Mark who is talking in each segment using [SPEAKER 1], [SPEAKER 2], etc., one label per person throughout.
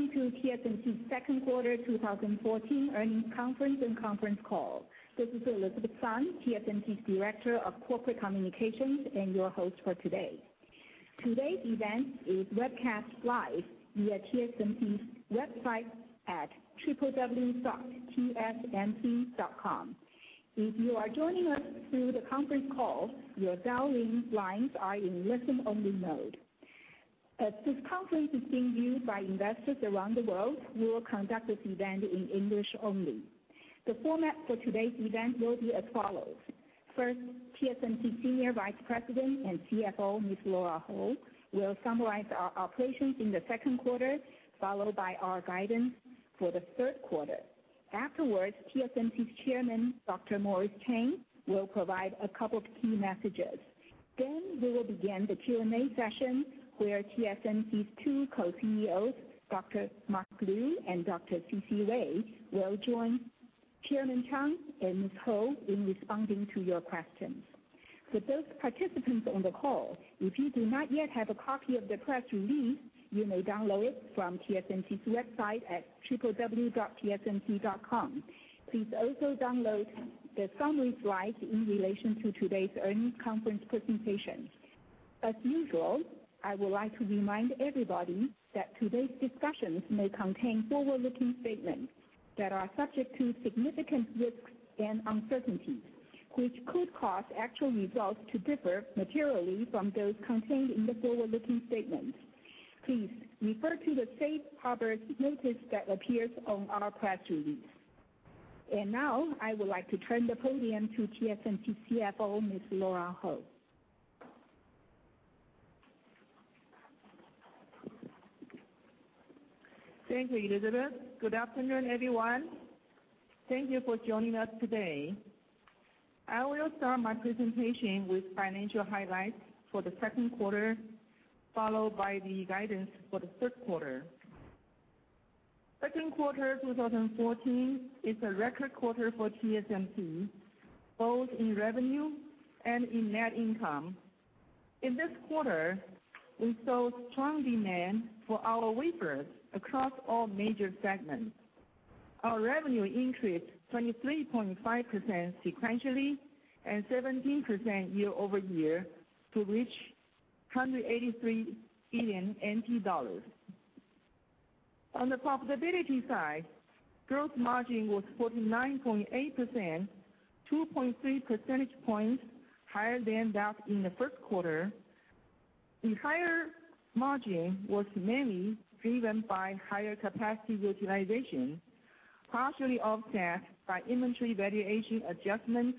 [SPEAKER 1] Welcome to TSMC's second quarter 2014 earnings conference and conference call. This is Elizabeth Sun, TSMC's Director of Corporate Communications and your host for today. Today's event is webcast live via tsmc.com. If you are joining us through the conference call, your dial-in lines are in listen-only mode. As this conference is being viewed by investors around the world, we will conduct this event in English only. The format for today's event will be as follows. First, TSMC Senior Vice President and CFO, Ms. Lora Ho, will summarize our operations in the second quarter, followed by our guidance for the third quarter. Afterwards, TSMC's Chairman, Dr. Morris Chang, will provide a couple of key messages. We will begin the Q&A session where TSMC's two Co-CEOs, Dr. Mark Liu and Dr. C.C. Wei, will join Chairman Chang and Ms. Ho in responding to your questions. For those participants on the call, if you do not yet have a copy of the press release, you may download it from TSMC's website at tsmc.com. Please also download the summary slides in relation to today's earnings conference presentation. As usual, I would like to remind everybody that today's discussions may contain forward-looking statements that are subject to significant risks and uncertainties, which could cause actual results to differ materially from those contained in the forward-looking statements. Please refer to the safe harbor notice that appears on our press release. Now, I would like to turn the podium to TSMC CFO, Ms. Lora Ho.
[SPEAKER 2] Thank you, Elizabeth. Good afternoon, everyone. Thank you for joining us today. I will start my presentation with financial highlights for the second quarter, followed by the guidance for the third quarter. Second quarter 2014 is a record quarter for TSMC, both in revenue and in net income. In this quarter, we saw strong demand for our wafers across all major segments. Our revenue increased 23.5% sequentially and 17% year-over-year to reach 183 billion NT dollars. On the profitability side, gross margin was 49.8%, 2.3 percentage points higher than that in the first quarter. The higher margin was mainly driven by higher capacity utilization, partially offset by inventory valuation adjustments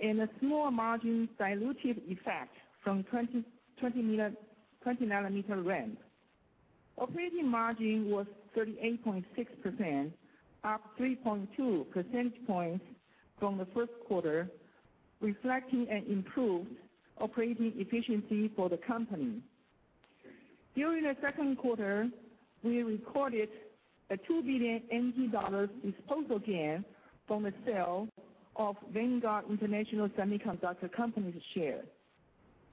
[SPEAKER 2] and a small margin dilutive effect from 20 nanometer ramp. Operating margin was 38.6%, up 3.2 percentage points from the first quarter, reflecting an improved operating efficiency for the company. During the second quarter, we recorded a 2 billion dollar disposal gain from the sale of Vanguard International Semiconductor Corporation's shares.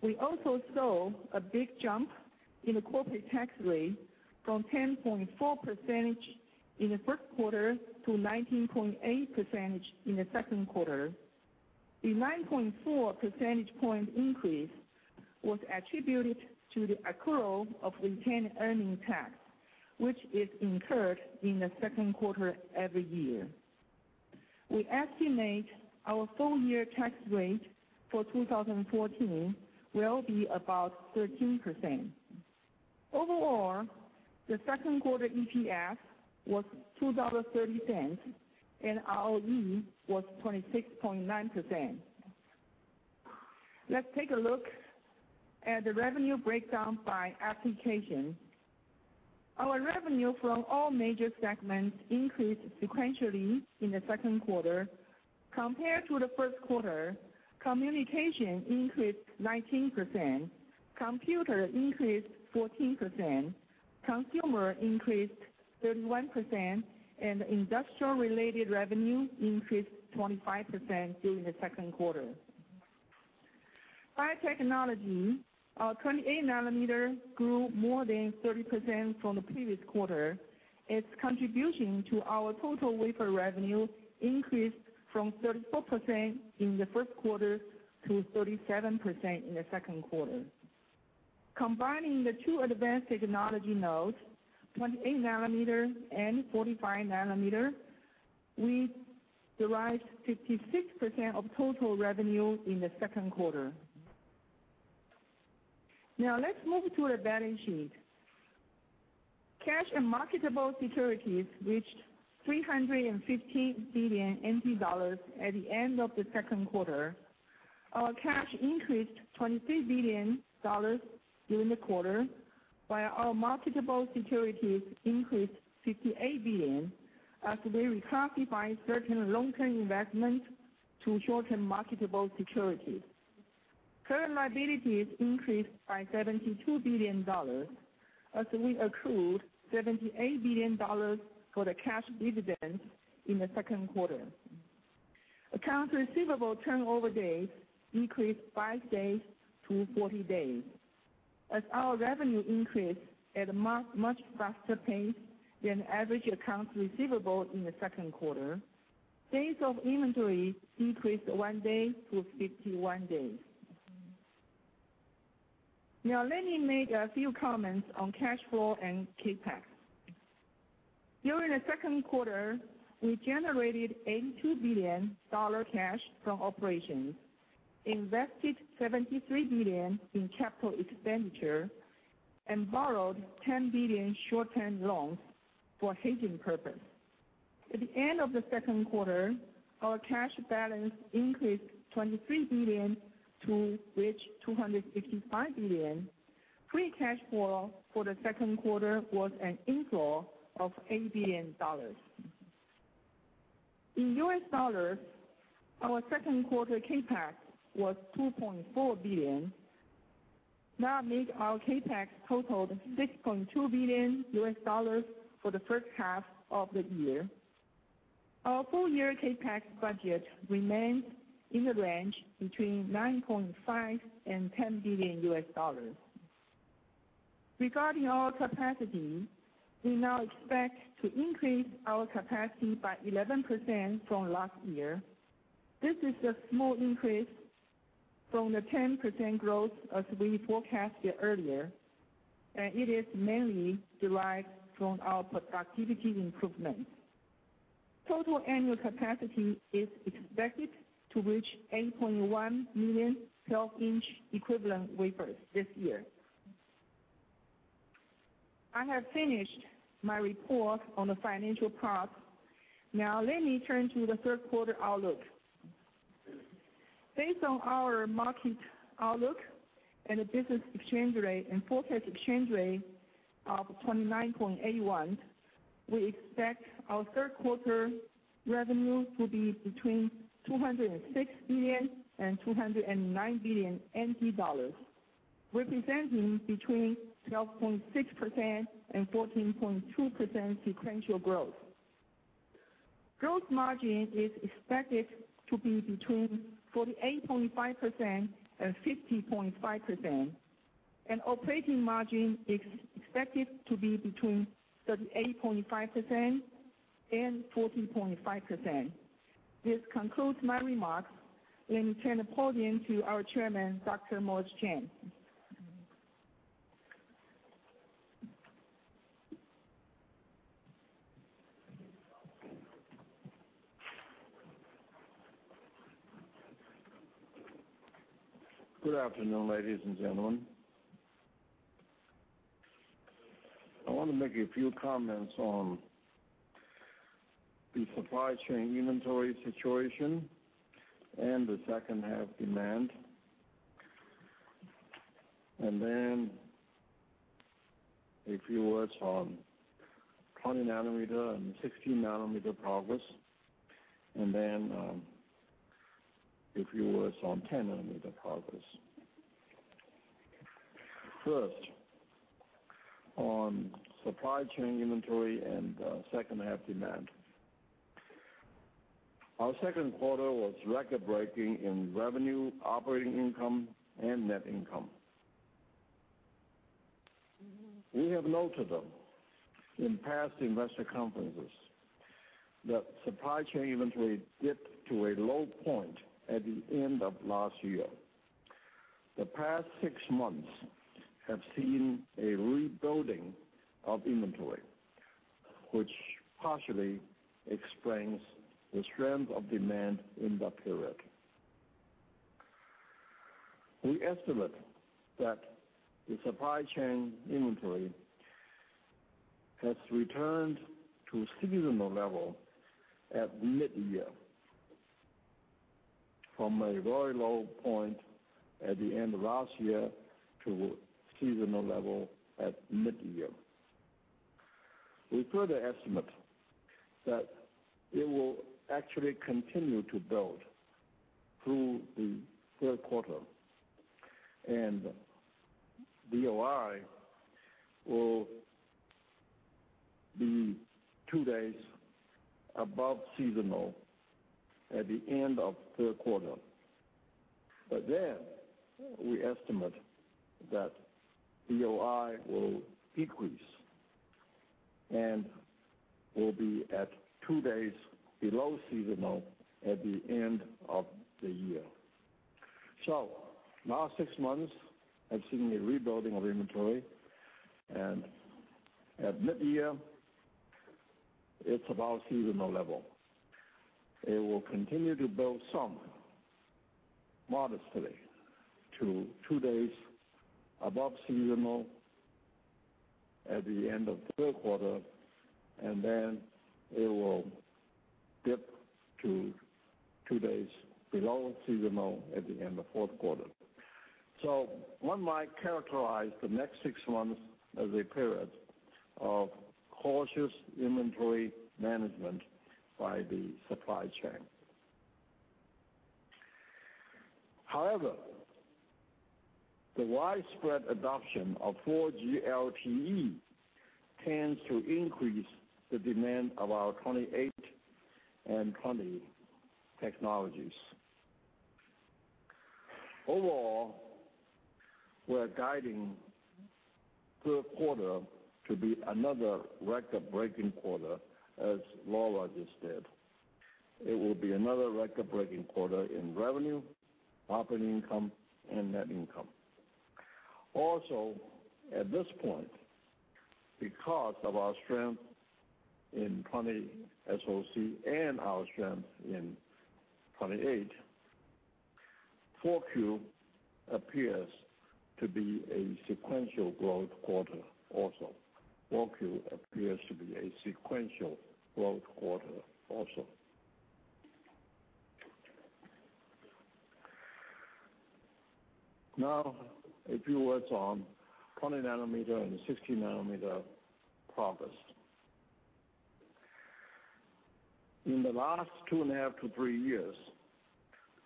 [SPEAKER 2] We also saw a big jump in the corporate tax rate from 10.4% in the first quarter to 19.8% in the second quarter. The 9.4 percentage point increase was attributed to the accrual of retained earning tax, which is incurred in the second quarter every year. We estimate our full year tax rate for 2014 will be about 13%. Overall, the second quarter EPS was 2.30 dollars, and ROE was 26.9%. Let's take a look at the revenue breakdown by application. Our revenue from all major segments increased sequentially in the second quarter. Compared to the first quarter, communication increased 19%, computer increased 14%, consumer increased 31%, and industrial-related revenue increased 25% during the second quarter. By technology, our 28 nanometer grew more than 30% from the previous quarter. Its contribution to our total wafer revenue increased from 34% in the first quarter to 37% in the second quarter. Combining the two advanced technology nodes, 28 nanometer and 45 nanometer, we derived 56% of total revenue in the second quarter. Let's move to the balance sheet. Cash and marketable securities reached 315 billion NT dollars at the end of the second quarter. Our cash increased 23 billion dollars during the quarter, while our marketable securities increased 58 billion as we reclassify certain long-term investments to short-term marketable securities. Current liabilities increased by 72 billion dollars as we accrued 78 billion dollars for the cash dividends in the second quarter. Accounts receivable turnover days increased five days to 40 days. As our revenue increased at a much faster pace than average accounts receivable in the second quarter, days of inventory decreased one day to 51 days. Let me make a few comments on cash flow and CapEx. During the second quarter, we generated 82 billion dollar cash from operations, invested 73 billion in capital expenditure, and borrowed 10 billion short-term loans for hedging purposes. At the end of the second quarter, our cash balance increased 23 billion to reach 265 billion. Free cash flow for the second quarter was an inflow of 80 billion dollars. In US dollars, our second quarter CapEx was $2.4 billion. That made our CapEx total $6.2 billion for the first half of the year. Our full-year CapEx budget remains in the range between $9.5 billion and $10 billion. Regarding our capacity, we now expect to increase our capacity by 11% from last year. This is a small increase from the 10% growth as we forecasted earlier, and it is mainly derived from our productivity improvements. Total annual capacity is expected to reach 8.1 million 12-inch equivalent wafers this year. I have finished my report on the financial part. Let me turn to the third quarter outlook. Based on our market outlook and the business exchange rate and forecast exchange rate of 29.81, we expect our third quarter revenue to be between 206 billion and 209 billion NT dollars, representing between 12.6% and 14.2% sequential growth. Gross margin is expected to be between 48.5% and 50.5%, and operating margin is expected to be between 38.5% and 40.5%. This concludes my remarks. Let me turn the podium to our chairman, Dr. Morris Chang.
[SPEAKER 3] Good afternoon, ladies and gentlemen. I want to make a few comments on the supply chain inventory situation and the second half demand, and then a few words on 20 nanometer and 16 nanometer progress, and then a few words on 10 nanometer progress. First, on supply chain inventory and second half demand. Our second quarter was record-breaking in revenue, operating income, and net income. We have noted in past investor conferences that supply chain inventory dipped to a low point at the end of last year. The past six months have seen a rebuilding of inventory, which partially explains the strength of demand in that period. We estimate that the supply chain inventory has returned to seasonal level at mid-year. From a very low point at the end of last year to seasonal level at mid-year. We further estimate that it will actually continue to build through the third quarter. DOI will be two days above seasonal at the end of the third quarter. Then we estimate that DOI will decrease and will be at two days below seasonal at the end of the year. The last six months have seen a rebuilding of inventory, and at mid-year, it's about seasonal level. It will continue to build some modestly to two days above seasonal at the end of the third quarter, and then it will dip to two days below seasonal at the end of fourth quarter. One might characterize the next six months as a period of cautious inventory management by the supply chain. However, the widespread adoption of 4G LTE tends to increase the demand of our 28 and 20 technologies. Overall, we're guiding third quarter to be another record-breaking quarter, as Lora just said. It will be another record-breaking quarter in revenue, operating income, and net income. Also, at this point, because of our strength in 20SoC and our strength in 28, 4Q appears to be a sequential growth quarter also. A few words on 20 nanometer and 16 nanometer progress. In the last two and a half to three years,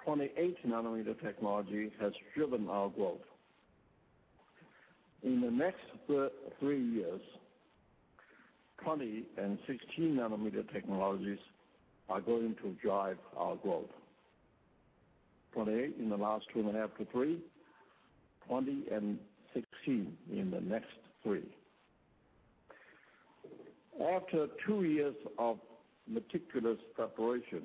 [SPEAKER 3] 28 nanometer technology has driven our growth. In the next three years, 20 and 16 nanometer technologies are going to drive our growth. 28 in the last two and a half to three, 20 and 16 in the next three. After two years of meticulous preparation,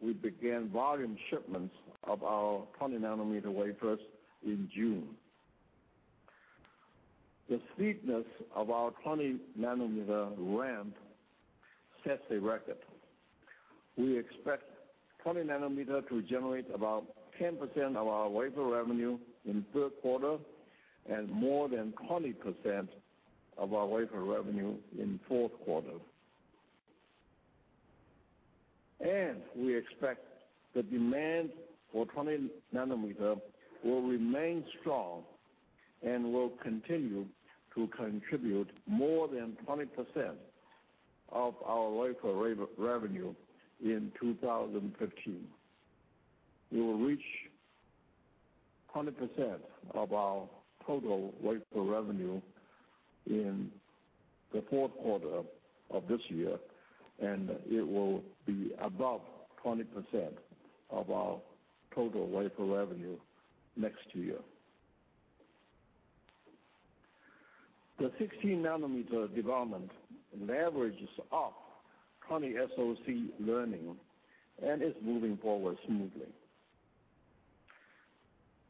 [SPEAKER 3] we began volume shipments of our 20 nanometer wafers in June. The steepness of our 20 nanometer ramp sets a record. We expect 20 nanometer to generate about 10% of our wafer revenue in the third quarter, and more than 20% of our wafer revenue in the fourth quarter. We expect the demand for 20 nanometer will remain strong and will continue to contribute more than 20% of our wafer revenue in 2015. We will reach 100% of our total wafer revenue in the fourth quarter of this year, and it will be above 20% of our total wafer revenue next year. The 16 nanometer development leverages off 20SoC learning and is moving forward smoothly.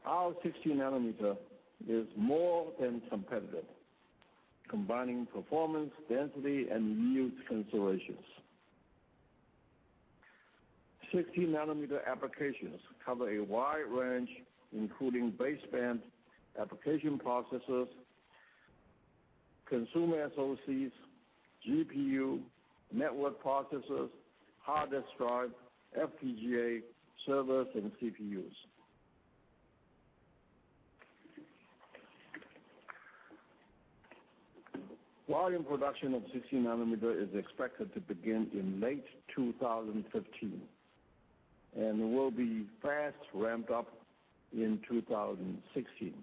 [SPEAKER 3] Our 16 nanometer is more than competitive, combining performance, density, and yield considerations. 16 nanometer applications cover a wide range, including baseband application processors, consumer SoCs, GPU, network processors, hard disk drive, FPGA, servers, and CPUs. Volume production of 16 nanometer is expected to begin in late 2015, and will be fast ramped up in 2016.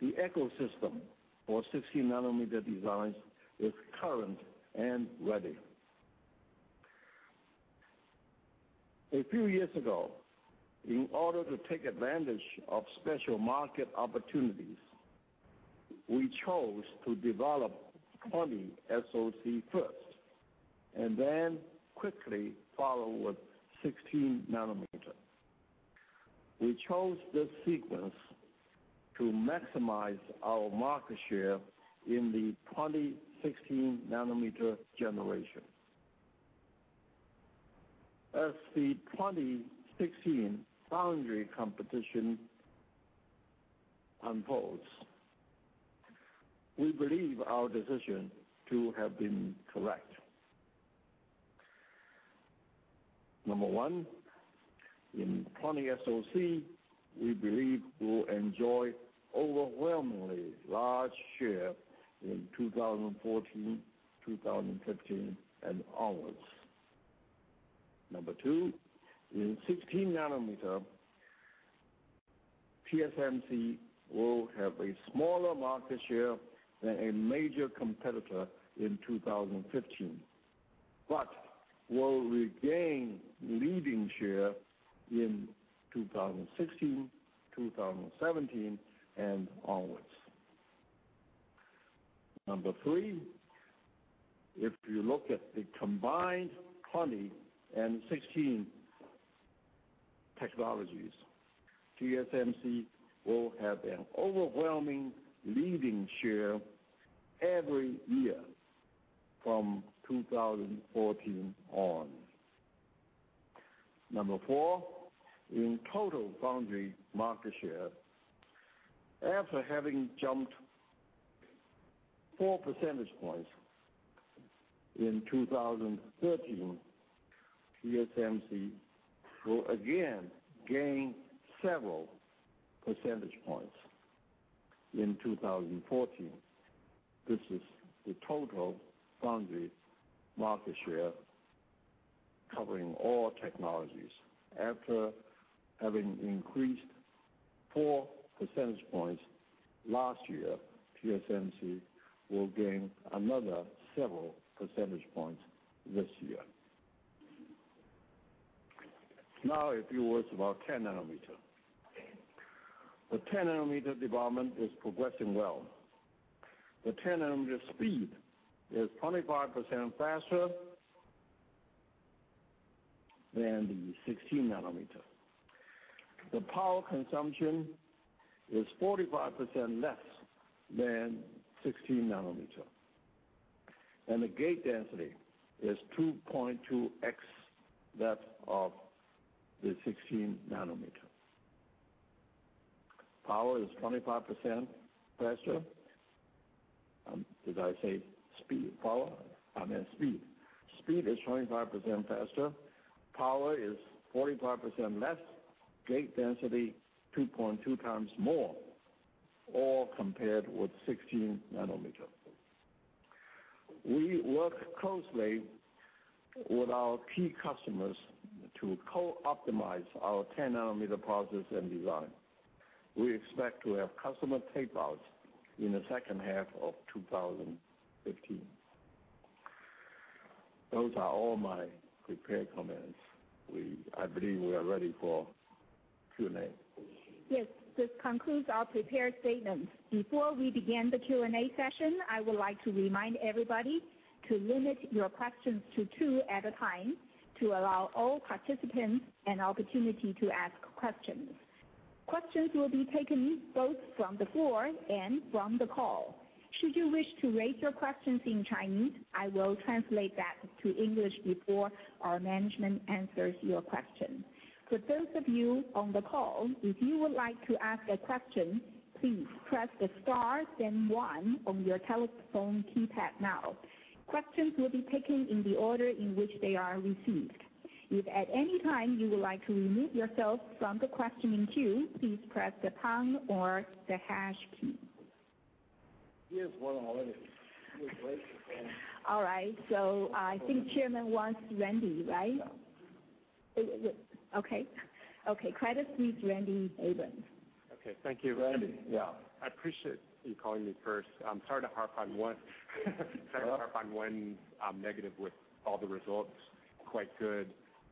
[SPEAKER 3] The ecosystem for 16 nanometer designs is current and ready. A few years ago, in order to take advantage of special market opportunities, we chose to develop 20SoC first, and then quickly follow with 16 nanometer. We chose this sequence to maximize our market share in the 20/16 nanometer generation. As the 20/16 foundry competition unfolds, we believe our decision to have been correct. Number one, in 20SoC, we believe we'll enjoy overwhelmingly large share in 2014, 2015, and onwards. Number two, in 16 nanometer, TSMC will have a smaller market share than a major competitor in 2015, but will regain leading share in 2016, 2017, and onwards. Number three, if you look at the combined 20 and 16 technologies, TSMC will have an overwhelming leading share every year from 2014 on. Number four, in total foundry market share, after having jumped four percentage points in 2013, TSMC will again gain several percentage points in 2014. This is the total foundry market share covering all technologies. After having increased four percentage points last year, TSMC will gain another several percentage points this year. A few words about 10 nanometer. The 10 nanometer development is progressing well. The 10 nanometer speed is 25% faster than the 16 nanometer. The power consumption is 45% less than 16 nanometer, and the gate density is 2.2x that of the 16 nanometer. Power is 25% faster. Did I say speed? Power? I meant speed. Speed is 25% faster, power is 45% less, gate density 2.2x more, all compared with 16 nanometer. We work closely with our key customers to co-optimize our 10 nanometer process and design. We expect to have customer tape-outs in the second half of 2015. Those are all my prepared comments. I believe we are ready for Q&A.
[SPEAKER 1] Yes. This concludes our prepared statements. Before we begin the Q&A session, I would like to remind everybody to limit your questions to two at a time to allow all participants an opportunity to ask questions. Questions will be taken both from the floor and from the call. Should you wish to raise your questions in Chinese, I will translate that to English before our management answers your question. For those of you on the call, if you would like to ask a question, please press the star then one on your telephone keypad now. Questions will be taken in the order in which they are received. If at any time you would like to remove yourself from the questioning queue, please press the pound or the hash key.
[SPEAKER 3] Here's one already.
[SPEAKER 1] All right. I think Chairman wants Randy, right?
[SPEAKER 3] Yeah.
[SPEAKER 1] Okay. Okay. Credit Suisse, Randy Abrams.
[SPEAKER 4] Okay. Thank you.
[SPEAKER 3] Randy, yeah.
[SPEAKER 4] I appreciate you calling me first. I'm sorry to harp on one negative with all the results quite good.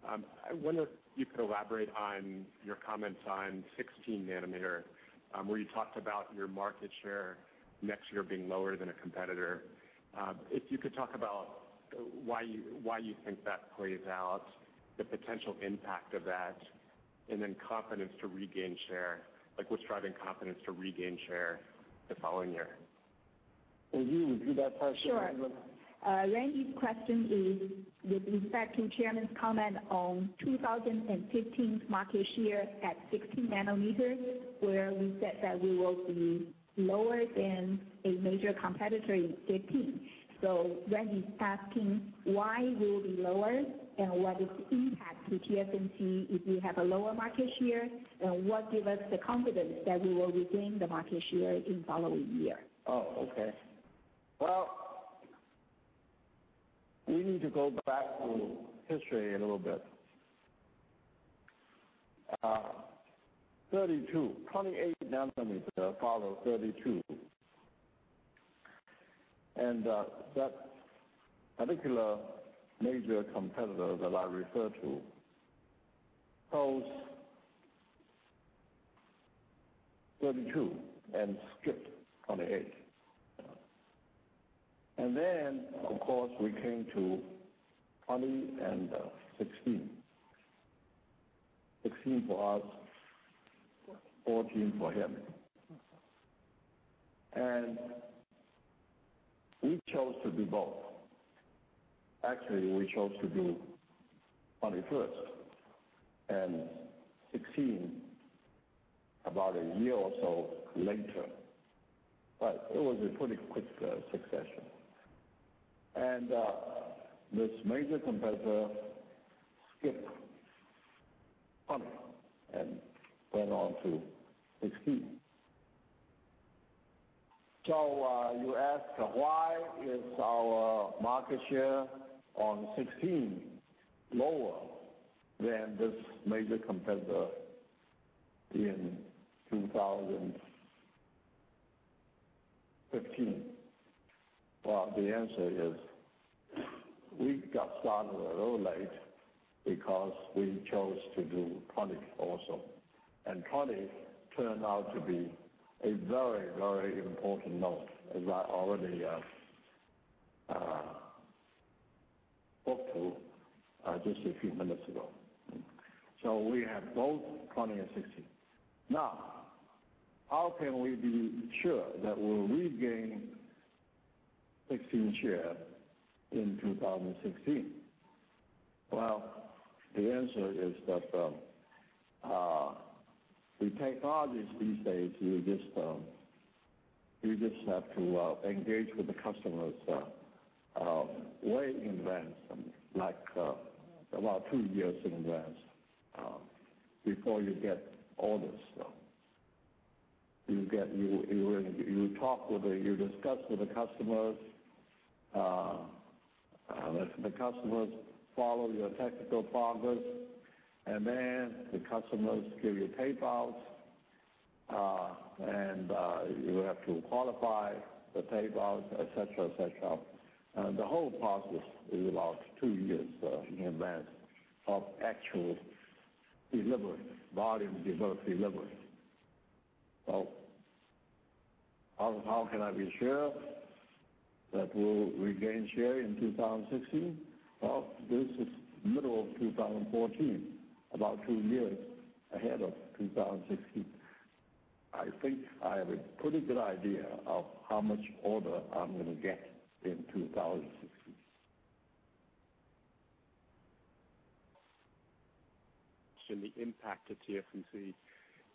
[SPEAKER 4] I wonder if you could elaborate on your comments on 16 nanometer, where you talked about your market share next year being lower than a competitor. If you could talk about why you think that plays out, the potential impact of that, and then confidence to regain share. What's driving confidence to regain share the following year?
[SPEAKER 3] Will you repeat that question?
[SPEAKER 1] Sure. Randy's question is with respect to Chairman's comment on 2015's market share at 16 nanometers, where we said that we will be lower than a major competitor in 2015. Randy's asking why we will be lower, and what is the impact to TSMC if we have a lower market share, and what give us the confidence that we will regain the market share in following year?
[SPEAKER 3] Okay. We need to go back through history a little bit. 28 nanometer followed 32, that particular major competitor that I referred to chose 32 and skipped 28. Then, of course, we came to 20 and 16 for us, 14 for him. We chose to do both. Actually, we chose to do 20 first, and 16 about a year or so later. It was a pretty quick succession. This major competitor skipped 20 and went on to 16. You ask why is our market share on 16 lower than this major competitor in 2015? The answer is, we got started a little late because we chose to do 20 also, and 20 turned out to be a very, very important node, as I already spoke to just a few minutes ago. We have both 20 and 16. How can we be sure that we'll regain 16 share in 2016? Well, the answer is that with technologies these days, you just have to engage with the customers way in advance, like about two years in advance, before you get orders. You discuss with the customers, the customers follow your technical progress, and then the customers give you tape outs, and you have to qualify the tape outs, et cetera. The whole process is about two years in advance of actual volume delivery. How can I be sure that we'll regain share in 2016? Well, this is middle of 2014, about two years ahead of 2016. I think I have a pretty good idea of how much order I'm going to get in 2016.
[SPEAKER 4] Should the impact to TSMC,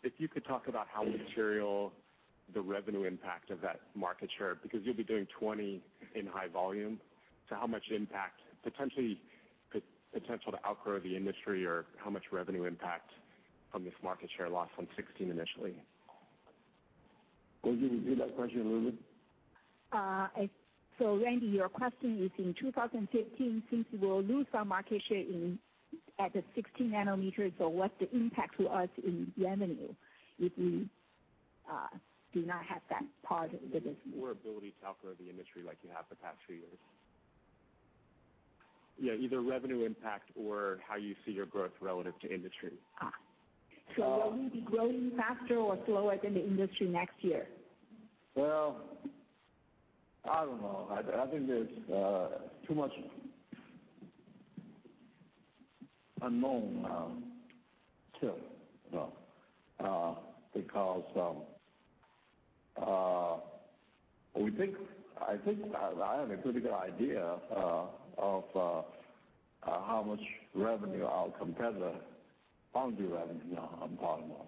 [SPEAKER 4] if you could talk about how material the revenue impact of that market share, because you'll be doing 20 in high volume, to how much impact, potential to outgrow the industry or how much revenue impact from this market share loss on 16 initially?
[SPEAKER 3] Could you repeat that question, Ruby?
[SPEAKER 1] Randy, your question is, in 2015, since we will lose some market share at the 16 nanometer, so what's the impact to us in revenue if we do not have that part of the business?
[SPEAKER 4] Ability to outgrow the industry like you have the past few years. Yeah, either revenue impact or how you see your growth relative to industry.
[SPEAKER 1] Will we be growing faster or slower than the industry next year?
[SPEAKER 3] Well, I don't know. I think there's too much unknown still. I think I have a pretty good idea of how much revenue our competitor, foundry revenue now I'm talking about,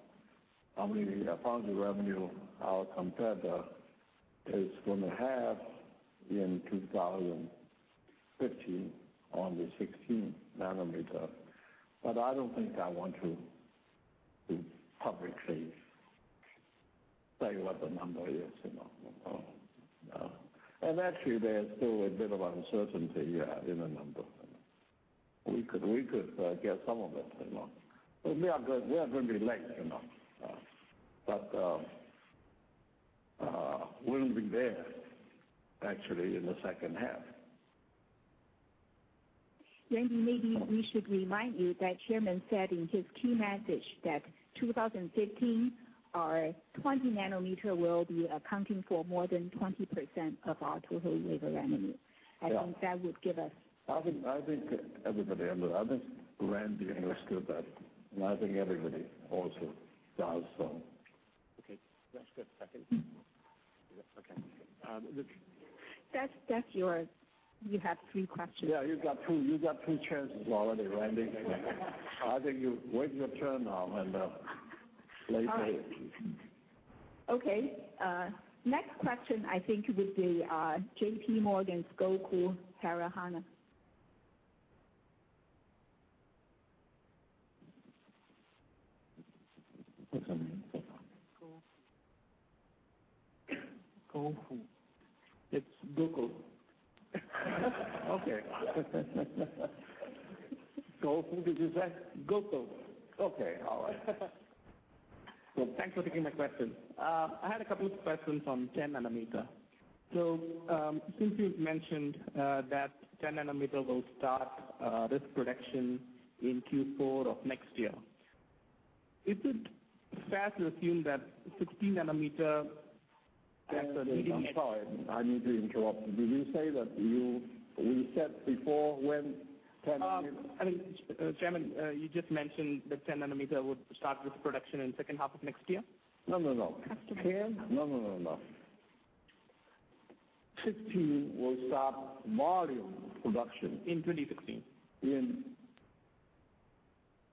[SPEAKER 3] how many foundry revenue our competitor is going to have in 2015 on the 16 nanometer. I don't think I want to publicly say what the number is. Actually, there is still a bit of uncertainty in the number. We could get some of it. We are going to be late, but we'll be there, actually, in the second half.
[SPEAKER 1] Randy, maybe we should remind you that Chairman said in his key message that 2015, our 20 nanometer will be accounting for more than 20% of our total revenue.
[SPEAKER 3] Yeah.
[SPEAKER 1] I think that would give us-
[SPEAKER 3] I think Randy understood that, and I think everybody also does so.
[SPEAKER 4] Okay. Can I just get a second? Yeah. Okay.
[SPEAKER 1] You have three questions.
[SPEAKER 3] Yeah, you got two chances already, Randy. I think you wait your turn now and later.
[SPEAKER 1] All right. Okay. Next question, I think, would be J.P. Morgan's Gokul Hariharan.
[SPEAKER 3] What's her name?
[SPEAKER 1] Gokul.
[SPEAKER 3] Gokul.
[SPEAKER 5] It's Gokul.
[SPEAKER 3] Okay. Gokul, did you say?
[SPEAKER 5] Gokul.
[SPEAKER 3] Okay. All right.
[SPEAKER 5] Thanks for taking my question. I had a couple of questions on 10 nanometer. Since you've mentioned that 10 nanometer will start this production in Q4 of next year, is it fair to assume that 16 nanometer as the leading edge-
[SPEAKER 3] I'm sorry. I need to interrupt. Did you say that we said before when 10 nanometer-
[SPEAKER 5] Chairman, you just mentioned that 10 nanometer would start this production in second half of next year?
[SPEAKER 3] No.
[SPEAKER 1] After next.
[SPEAKER 3] 10? No. 16 will start volume production.
[SPEAKER 5] In 2016.
[SPEAKER 3] in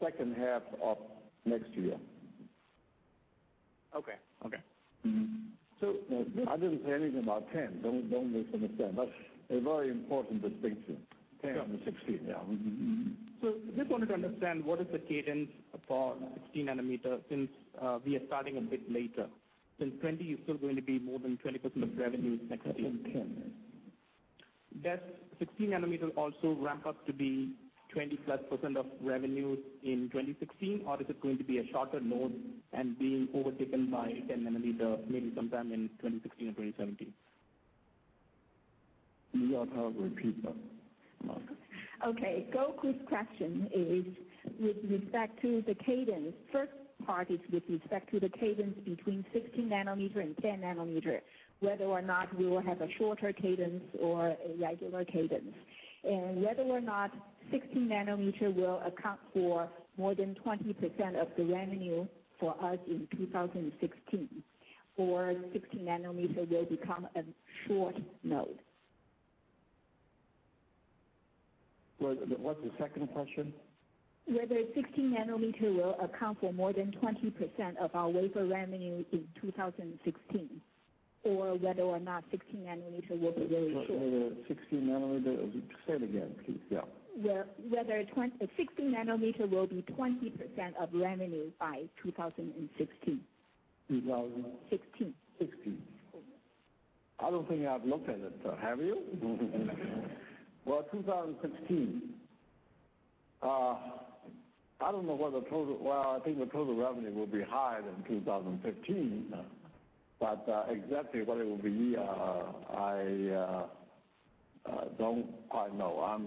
[SPEAKER 3] second half of next year.
[SPEAKER 5] Okay.
[SPEAKER 3] I didn't say anything about 10. Don't misunderstand. That's a very important distinction, 10 and 16.
[SPEAKER 5] Yeah. Just wanted to understand what is the cadence for 16 nanometer, since we are starting a bit later, since 20 is still going to be more than 20% of revenues next year. 10. Does 16 nanometer also ramp up to be 20-plus % of revenues in 2016, or is it going to be a shorter node and being overtaken by 10 nanometer maybe sometime in 2016 or 2017?
[SPEAKER 3] You will have to repeat that, Martha.
[SPEAKER 1] Okay. Gokul's question is with respect to the cadence. First part is with respect to the cadence between 16 nanometer and 10 nanometer, whether or not we will have a shorter cadence or a regular cadence. Whether or not 16 nanometer will account for more than 20% of the revenue for us in 2016, or 16 nanometer will become a short node.
[SPEAKER 3] What's the second question?
[SPEAKER 1] Whether 16 nanometer will account for more than 20% of our wafer revenue in 2016, or whether or not 16 nanometer will be very short.
[SPEAKER 3] Whether 16 nanometer Say it again, please. Yeah.
[SPEAKER 1] Whether 16 nanometer will be 20% of revenue by 2016.
[SPEAKER 3] 2000?
[SPEAKER 1] 16.
[SPEAKER 3] 16.
[SPEAKER 1] Correct.
[SPEAKER 3] I don't think I've looked at it. Have you? 2016, I don't know what the total Well, I think the total revenue will be higher than 2015, but exactly what it will be, I don't quite know.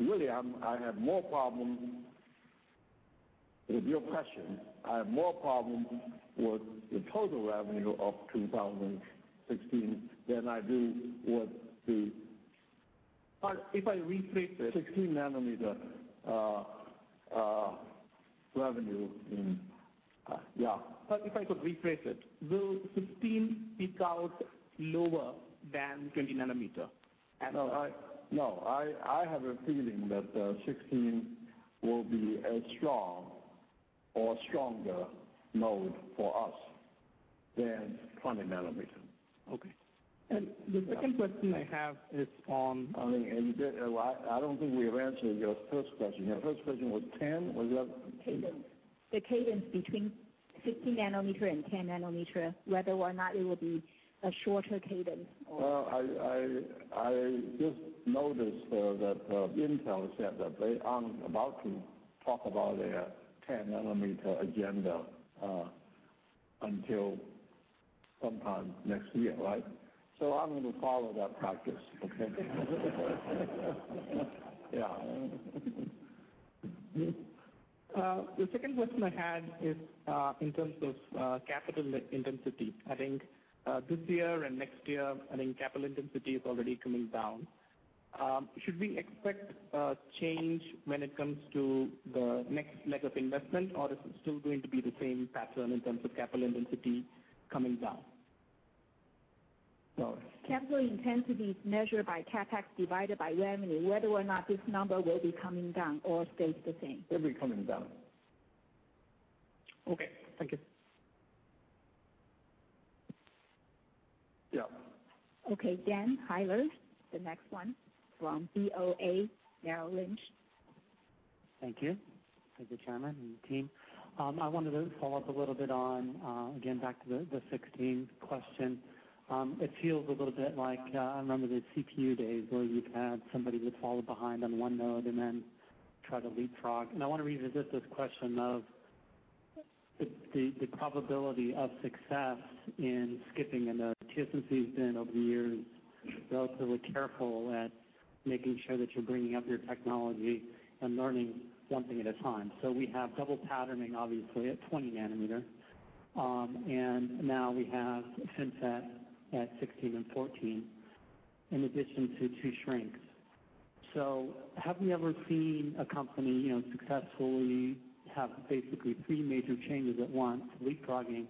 [SPEAKER 3] Really, I have more problem with your question. I have more problem with the total revenue of 2016.
[SPEAKER 5] If I rephrase it.
[SPEAKER 3] 16 nanometer revenue in, yeah.
[SPEAKER 5] If I could rephrase it, will 16 peak out lower than 20 nanometer?
[SPEAKER 3] No. I have a feeling that 16 will be as strong or stronger node for us than 20 nanometer.
[SPEAKER 5] Okay. The second question I have is on-
[SPEAKER 3] I don't think we have answered your first question. Your first question was 10? What was the other one?
[SPEAKER 1] Cadence. The cadence between 16 nanometer and 10 nanometer, whether or not it will be a shorter cadence, or-
[SPEAKER 3] Well, I just noticed that Intel said that they aren't about to talk about their 10 nanometer agenda, until sometime next year, right? I'm going to follow that practice. Okay? Yeah.
[SPEAKER 5] The second question I had is, in terms of capital intensity. I think this year and next year, I think capital intensity is already coming down. Should we expect a change when it comes to the next leg of investment, or is it still going to be the same pattern in terms of capital intensity coming down?
[SPEAKER 3] No.
[SPEAKER 1] Capital intensity is measured by CapEx divided by revenue, whether or not this number will be coming down or stays the same.
[SPEAKER 3] It'll be coming down.
[SPEAKER 5] Okay. Thank you.
[SPEAKER 3] Yeah.
[SPEAKER 1] Okay, Dan Heyler, the next one from BofA Merrill Lynch.
[SPEAKER 6] Thank you. Thank you, Chairman and team. I wanted to follow up a little bit on, again, back to the 16 question. It feels a little bit like, I remember the CPU days where you'd had somebody who'd fallen behind on one node and then try to leapfrog. I want to revisit this question of the probability of success in skipping a node. TSMC has been, over the years, relatively careful at making sure that you're bringing up your technology and learning something at a time. We have double patterning, obviously, at 20 nanometer. And now we have FinFET at 16 and 14, in addition to two shrinks. Have we ever seen a company successfully have basically three major changes at once, leapfrogging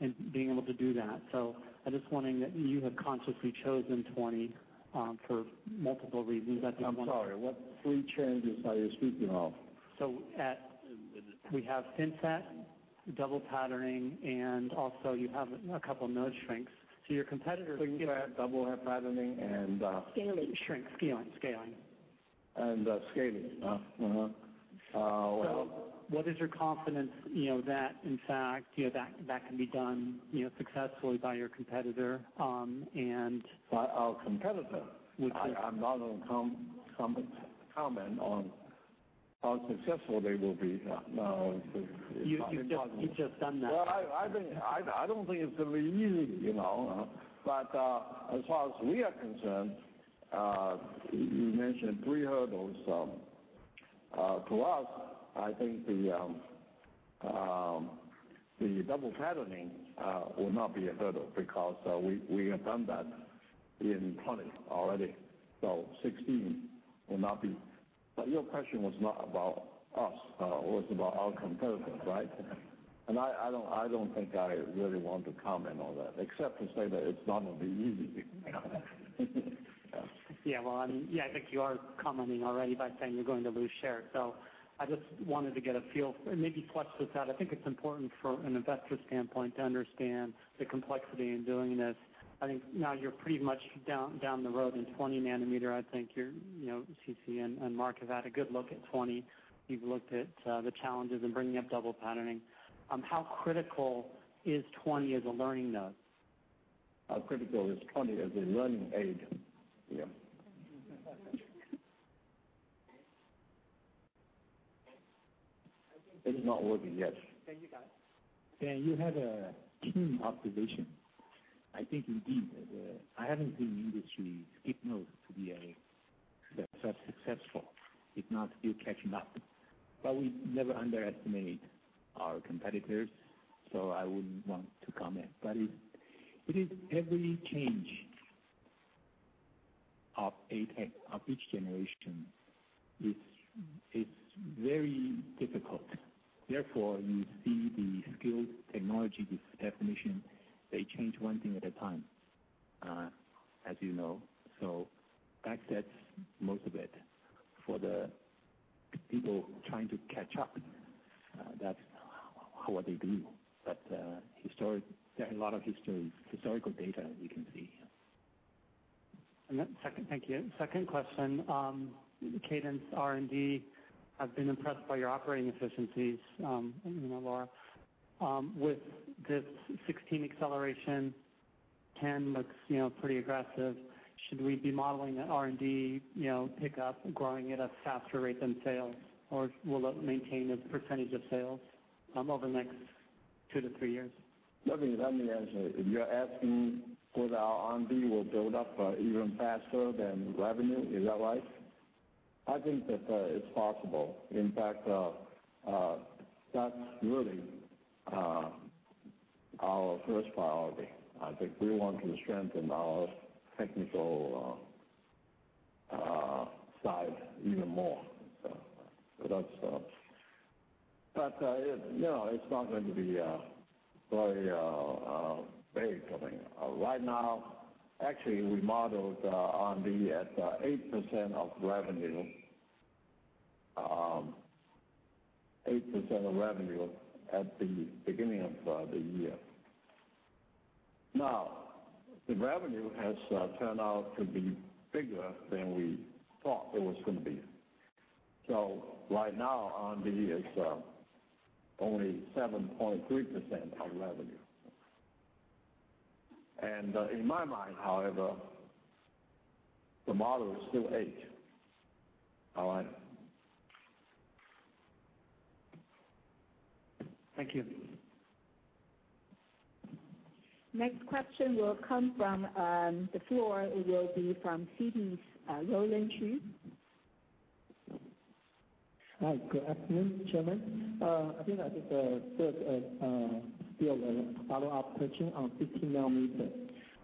[SPEAKER 6] and being able to do that? I'm just wondering, you have consciously chosen 20 for multiple reasons. I think-
[SPEAKER 3] I'm sorry, what three changes are you speaking of?
[SPEAKER 6] We have FinFET, double patterning, and also you have a couple of node shrinks. Your competitors-
[SPEAKER 3] You have double patterning.
[SPEAKER 1] Scaling.
[SPEAKER 6] Shrink, scaling.
[SPEAKER 3] Scaling.
[SPEAKER 6] What is your confidence that in fact, that can be done successfully by your competitor?
[SPEAKER 3] By our competitor?
[SPEAKER 6] Which is.
[SPEAKER 3] I'm not going to comment on how successful they will be. No.
[SPEAKER 6] You've just done that.
[SPEAKER 3] Well, I don't think it's going to be easy. As far as we are concerned, you mentioned three hurdles. To us, I think the double patterning will not be a hurdle because we have done that in 20 already. 16 will not be But your question was not about us. It was about our competitors, right?
[SPEAKER 6] Yes.
[SPEAKER 3] I don't think I really want to comment on that, except to say that it's not going to be easy.
[SPEAKER 6] Yeah. Well, I mean, yeah, I think you are commenting already by saying you're going to lose share. I just wanted to get a feel, maybe flesh this out. I think it's important from an investor standpoint to understand the complexity in doing this. I think now you're pretty much down the road in 20 nanometer. I think CC and Mark have had a good look at 20. You've looked at the challenges in bringing up double patterning. How critical is 20 as a learning node?
[SPEAKER 3] How critical is 20 as a learning aid? Yeah.
[SPEAKER 1] I think-
[SPEAKER 3] It's not working yet.
[SPEAKER 1] There you go.
[SPEAKER 7] Dan, you had a keen observation. I think indeed, I haven't seen the industry skip nodes to be that successful, if not still catching up. We never underestimate our competitors, so I wouldn't want to comment. Every change of each generation is very difficult. Therefore, you see the skills, technology, this definition, they change one thing at a time, as you know. That's most of it. For the people trying to catch up, that's what they do. There are a lot of historical data we can see.
[SPEAKER 6] Thank you. Second question. R&D have been impressed by your operating efficiencies, Lora. With this 16 acceleration, 10 looks pretty aggressive. Should we be modeling R&D pickup, growing it at a faster rate than sales? Or will it maintain a percentage of sales over the next two to three years?
[SPEAKER 3] Let me answer. If you're asking could our R&D will build up even faster than revenue, is that right? I think that it's possible. In fact, that's really our first priority. I think we want to strengthen our technical side even more. It's not going to be very big. Right now, actually, we modeled R&D at 8% of revenue at the beginning of the year. The revenue has turned out to be bigger than we thought it was going to be. Right now, R&D is only 7.3% of revenue. In my mind, however, the model is still 8. All right?
[SPEAKER 6] Thank you.
[SPEAKER 1] Next question will come from the floor. It will be from Citi's, Roland Shu.
[SPEAKER 8] Hi. Good afternoon, Chairman. I think I just put a still a follow-up question on 16 nanometer.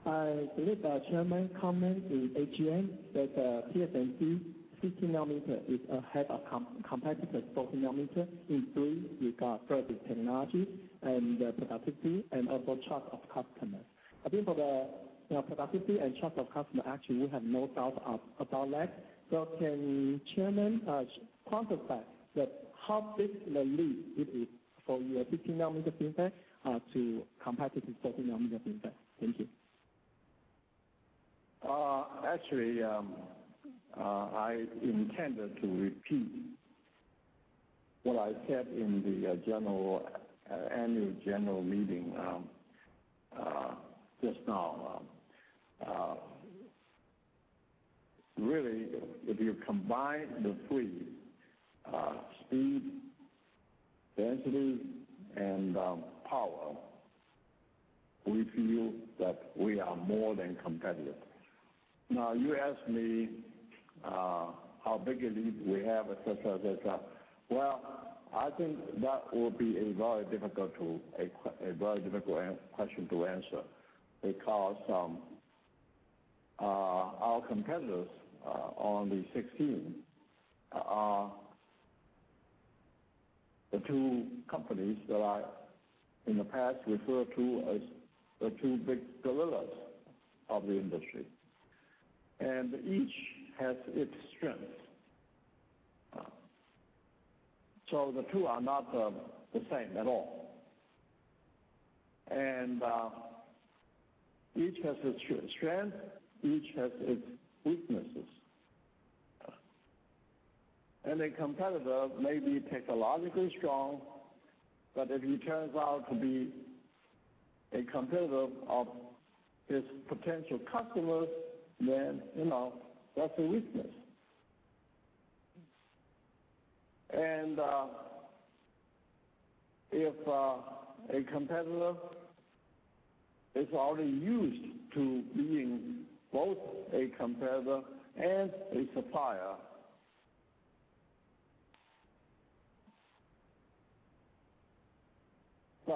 [SPEAKER 8] I believe the Chairman comment in AGM that TSMC 16 nanometer is ahead of competitor's 14 nanometer in three regard, first is technology and productivity and also trust of customer. I think for the productivity and trust of customer, actually, we have no doubt about that. Can Chairman quantify that how big the lead it is for your 16 nanometer FinFET to competitor's 14 nanometer FinFET? Thank you.
[SPEAKER 3] Actually, I intended to repeat what I said in the annual general meeting just now. Really, if you combine the three, speed, density, and power, we feel that we are more than competitive. Now, you asked me how big a lead we have, et cetera. Well, I think that will be a very difficult question to answer because our competitors on the 16 are the two companies that I, in the past, referred to as the two big gorillas of the industry. Each has its strength. The two are not the same at all. Each has its strength, each has its weaknesses. A competitor may be technologically strong, but if he turns out to be a competitor of his potential customers, then that's a weakness. If a competitor is already used to being both a competitor and a supplier,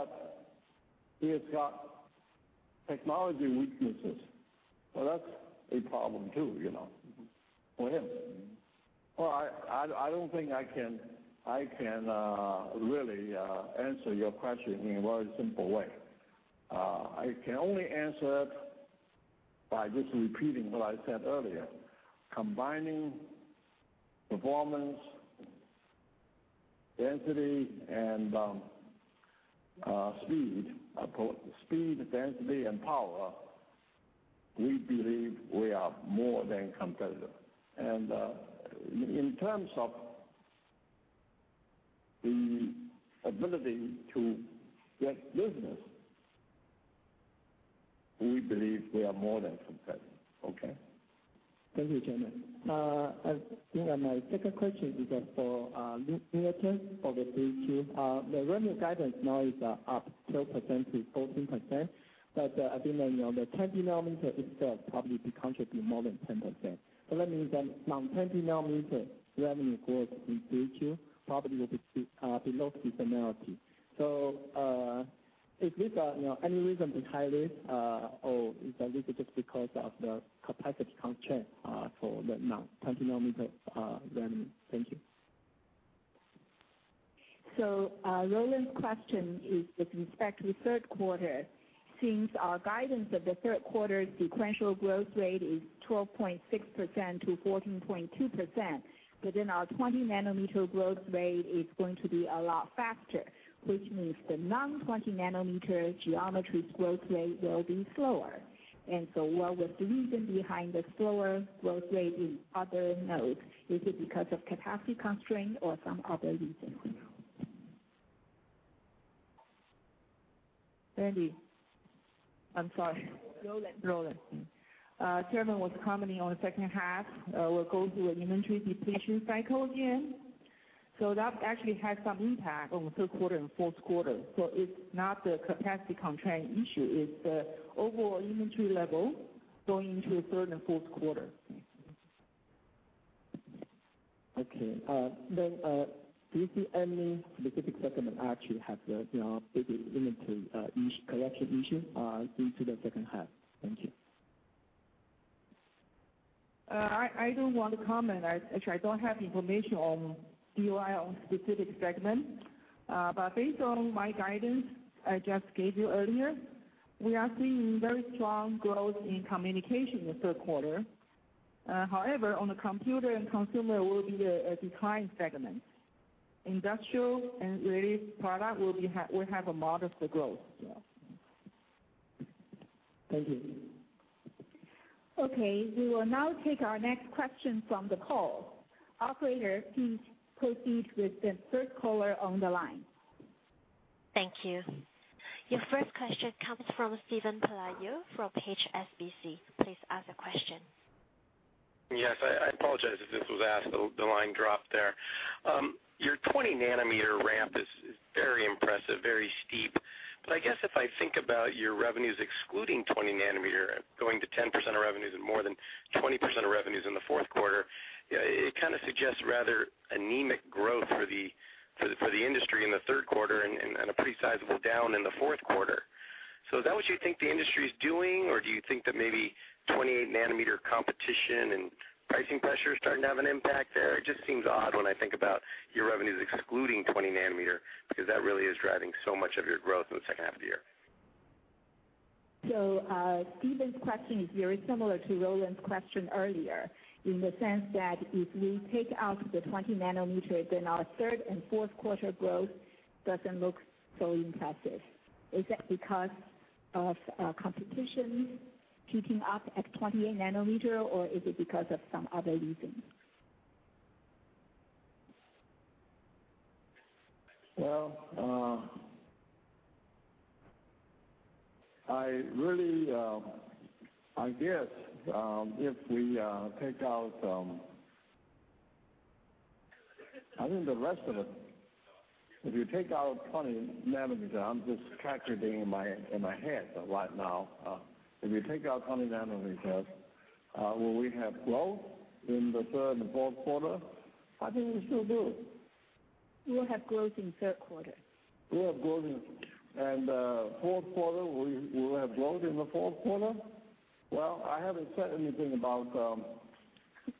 [SPEAKER 3] but he has got technology weaknesses, well, that's a problem, too, for him. Well, I don't think I can really answer your question in a very simple way. I can only answer it by just repeating what I said earlier. Combining performance, density, and speed. Speed, density, and power, we believe we are more than competitive. In terms of the ability to get business, we believe we are more than competitive. Okay?
[SPEAKER 8] Thank you, Chairman. My second question is for Elizabeth for the 3Q. The revenue guidance now is up 12%-14%, but I think now the 20 nanometer itself probably contribute more than 10%. That means then some 20 nanometer revenue growth in 3Q probably will be below seasonality. Is this any reason behind this, or is this just because of the capacity constraint for the non 20 nanometer revenue? Thank you.
[SPEAKER 1] Roland's question is with respect to third quarter. Our guidance of the third quarter's sequential growth rate is 12.6%-14.2%, our 20 nanometer growth rate is going to be a lot faster, which means the non 20 nanometer geometry growth rate will be slower. What was the reason behind the slower growth rate in other nodes? Is it because of capacity constraint or some other reasons?
[SPEAKER 2] Randy. I'm sorry.
[SPEAKER 1] Roland.
[SPEAKER 2] Roland. Chairman was commenting on the second half. We'll go through an inventory depletion cycle again. That actually has some impact on the third quarter and fourth quarter. It's not the capacity constraint issue, it's the overall inventory level going into the third and fourth quarter.
[SPEAKER 8] Okay. Do you see any specific segment actually have the inventory correction issue into the second half? Thank you.
[SPEAKER 2] I don't want to comment. Actually, I don't have information on DUI on specific segments. Based on my guidance I just gave you earlier, we are seeing very strong growth in communication in the third quarter. However, on the computer and consumer will be a decline segment. Industrial and related product will have a modest growth.
[SPEAKER 8] Thank you.
[SPEAKER 1] Okay, we will now take our next question from the call. Operator, please proceed with the third caller on the line.
[SPEAKER 9] Thank you. Your first question comes from Steven Pelayo from HSBC. Please ask the question.
[SPEAKER 10] Yes. I apologize if this was asked, the line dropped there. Your 20 nanometer ramp is very impressive, very steep. I guess if I think about your revenues excluding 20 nanometer, going to 10% of revenues and more than 20% of revenues in the fourth quarter, it kind of suggests rather anemic growth for the industry in the third quarter and a pretty sizable down in the fourth quarter. Is that what you think the industry's doing, or do you think that maybe 28 nanometer competition and pricing pressure is starting to have an impact there? It just seems odd when I think about your revenues excluding 20 nanometer, because that really is driving so much of your growth in the second half of the year.
[SPEAKER 1] Steven's question is very similar to Roland's question earlier, in the sense that if we take out the 20 nanometer, then our third and fourth quarter growth doesn't look so impressive. Is that because of competition heating up at 28 nanometer, or is it because of some other reason?
[SPEAKER 3] I guess, if we take out I think the rest of it, if you take out 20 nanometer, I'm just calculating in my head right now. If you take out 20 nanometers, will we have growth in the third and fourth quarter? I think we still do.
[SPEAKER 1] We'll have growth in third quarter.
[SPEAKER 3] We'll have growth in fourth quarter, will we have growth in the fourth quarter? I haven't said anything about-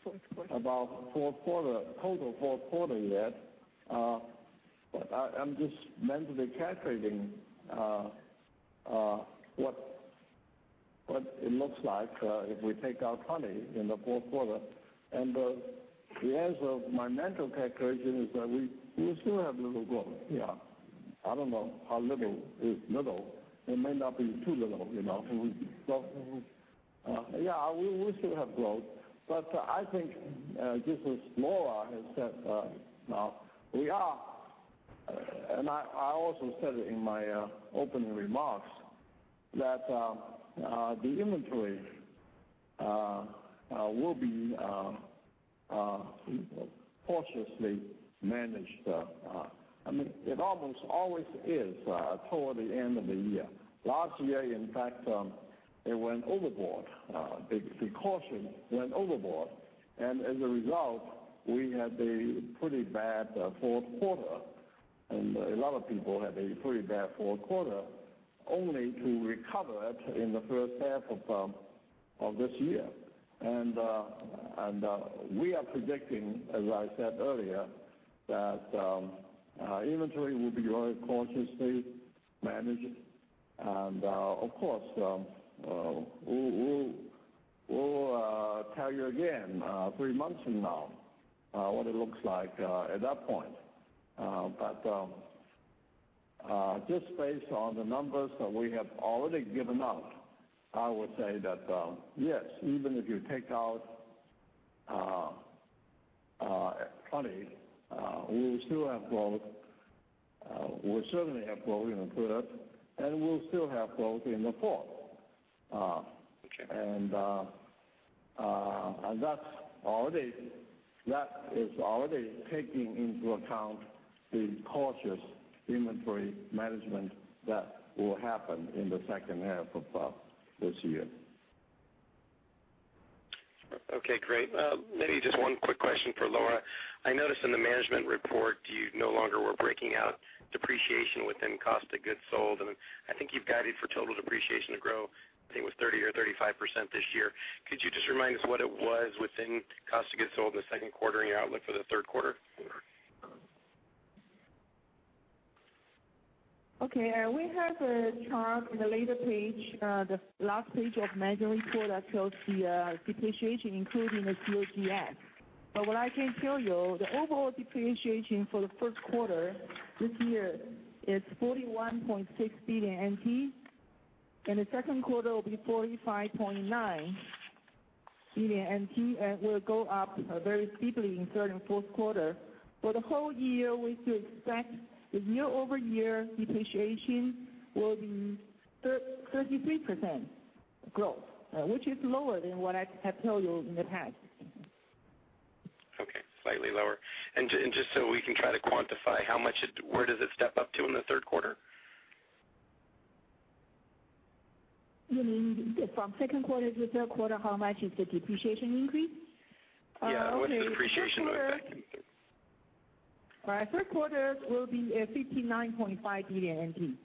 [SPEAKER 1] Fourth quarter
[SPEAKER 3] about fourth quarter, total fourth quarter yet. I'm just mentally calculating what it looks like if we take out 20 in the fourth quarter. The answer of my mental calculation is that we'll still have little growth. Yeah. I don't know how little is little. It may not be too little. Yeah, we still have growth, but I think just as Lora has said, and I also said it in my opening remarks, that the inventory will be cautiously managed. It almost always is toward the end of the year. Last year, in fact, it went overboard. The caution went overboard, and as a result, we had a pretty bad fourth quarter, and a lot of people had a pretty bad fourth quarter, only to recover it in the first half of this year. We are predicting, as I said earlier, that our inventory will be very cautiously managed. Of course, we'll tell you again three months from now what it looks like at that point. Just based on the numbers that we have already given out, I would say that, yes, even if you take out 20, we'll still have growth. We'll certainly have growth in the third, and we'll still have growth in the fourth.
[SPEAKER 10] Okay.
[SPEAKER 3] That is already taking into account the cautious inventory management that will happen in the second half of this year.
[SPEAKER 10] Okay, great. Maybe just one quick question for Lora. I noticed in the management report, you no longer were breaking out depreciation within cost of goods sold, and I think you've guided for total depreciation to grow, I think it was 30% or 35% this year. Could you just remind us what it was within cost of goods sold in the second quarter and your outlook for the third quarter?
[SPEAKER 2] Okay. We have a chart in the later page, the last page of management report that shows the depreciation, including the COGS. What I can tell you, the overall depreciation for the first quarter this year is 41.6 billion NT, and the second quarter will be 45.9 billion NT and will go up very steeply in the third and fourth quarter. For the whole year, we should expect the year-over-year depreciation will be 33% growth, which is lower than what I have told you in the past.
[SPEAKER 10] Okay, slightly lower. Just so we can try to quantify, where does it step up to in the third quarter?
[SPEAKER 2] You mean from second quarter to third quarter, how much is the depreciation increase?
[SPEAKER 10] Yeah. What's the depreciation going back?
[SPEAKER 2] Third quarter will be 59.5 billion NT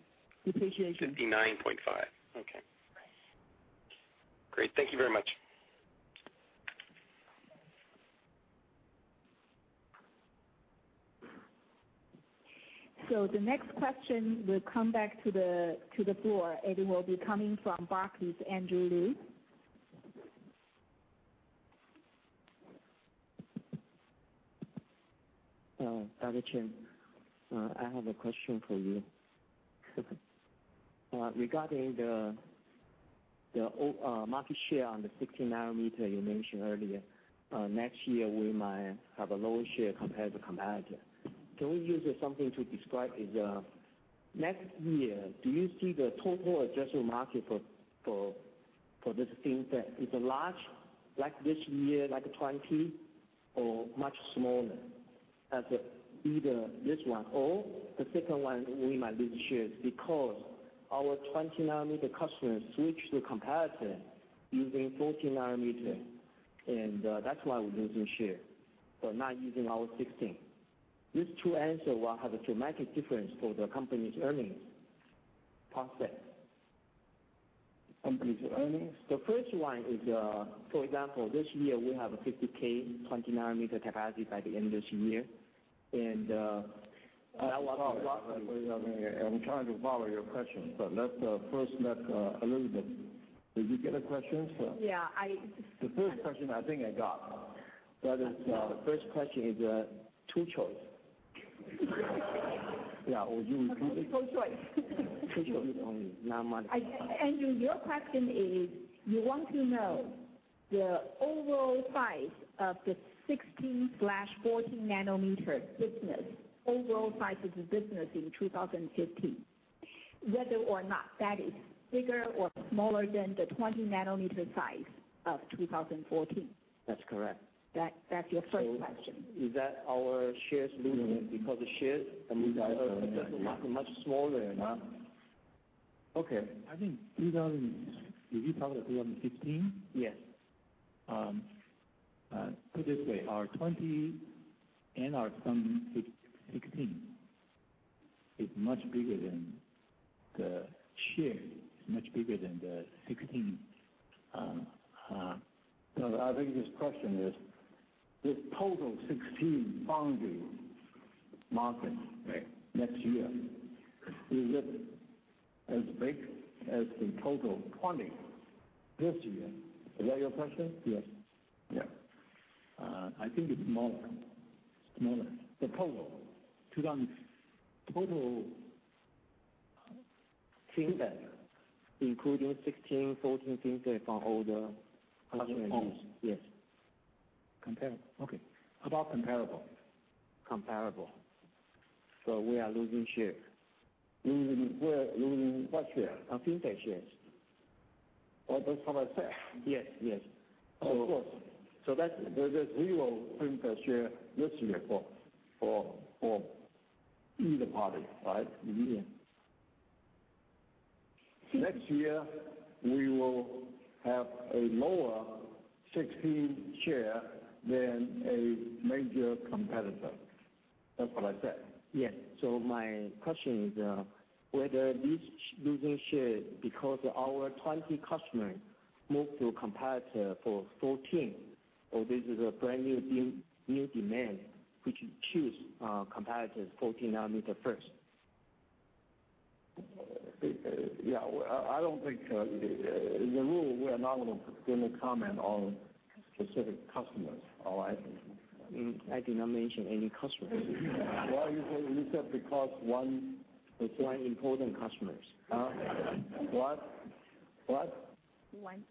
[SPEAKER 2] depreciation.
[SPEAKER 10] 59.5. Okay. Great. Thank you very much.
[SPEAKER 1] The next question will come back to the floor, and it will be coming from Barclays, Andrew Lu.
[SPEAKER 11] Hello, Chang. I have a question for you.
[SPEAKER 3] Okay.
[SPEAKER 11] Regarding the market share on the 16 nanometer you mentioned earlier, next year, we might have a lower share compared to competitor. Can we use something to describe it? Next year, do you see the total addressable market for this thing that is large, like this year, like 20, or much smaller? As either this one or the second one, we might lose shares because our 20 nanometer customers switch to competitor using 14 nanometer, and that's why we're losing share for not using our 16. These two answers will have a dramatic difference for the company's earnings prospect.
[SPEAKER 3] Company's earnings?
[SPEAKER 11] The first one is, for example, this year we have a 50,000, 20 nanometer capacity by the end of this year. I'm trying to follow your question, let's first map a little bit. Did you get the questions?
[SPEAKER 1] Yeah.
[SPEAKER 3] The first question I think I got. The first question is a two choice. Yeah. Would you repeat it?
[SPEAKER 1] Two choice.
[SPEAKER 3] Two choice.
[SPEAKER 1] Andrew, your question is you want to know the overall size of the 16/14 nanometer business, overall size of the business in 2015, whether or not that is bigger or smaller than the 20 nanometer size of 2014.
[SPEAKER 11] That's correct.
[SPEAKER 1] That's your first question.
[SPEAKER 11] Is that our shares losing because the shares much smaller or not?
[SPEAKER 3] Okay. I think. Did you talk about 2015?
[SPEAKER 11] Yes.
[SPEAKER 3] Put it this way, our 20 and our 16 is much bigger than the share. It's much bigger than the 16
[SPEAKER 7] I think his question is, this total 16 foundry market.
[SPEAKER 11] Right.
[SPEAKER 3] Next year, is it as big as the total 20 this year? Is that your question?
[SPEAKER 11] Yes.
[SPEAKER 3] Yeah. I think it's smaller.
[SPEAKER 11] Smaller? The total?
[SPEAKER 3] Total FinFET, including 16, 14 FinFET from older customer base.
[SPEAKER 11] Yes.
[SPEAKER 3] Compare. Okay. About comparable.
[SPEAKER 11] Comparable. We are losing share.
[SPEAKER 3] Losing what share?
[SPEAKER 11] Foundry shares. Oh, that's what I said. Yes.
[SPEAKER 3] Of course. We will print the share this year for either party, right? Next year, we will have a lower 16 share than a major competitor. That's what I said.
[SPEAKER 11] Yes. My question is, whether losing share because our 20 customer moved to a competitor for 14, or this is a brand new demand, which chose competitor's 14 nanometer first.
[SPEAKER 3] Yeah. As a rule, we are not going to comment on specific customers, all right?
[SPEAKER 11] I did not mention any customers.
[SPEAKER 3] Well, you said because one
[SPEAKER 11] It's one important customer.
[SPEAKER 3] Huh? What?
[SPEAKER 1] One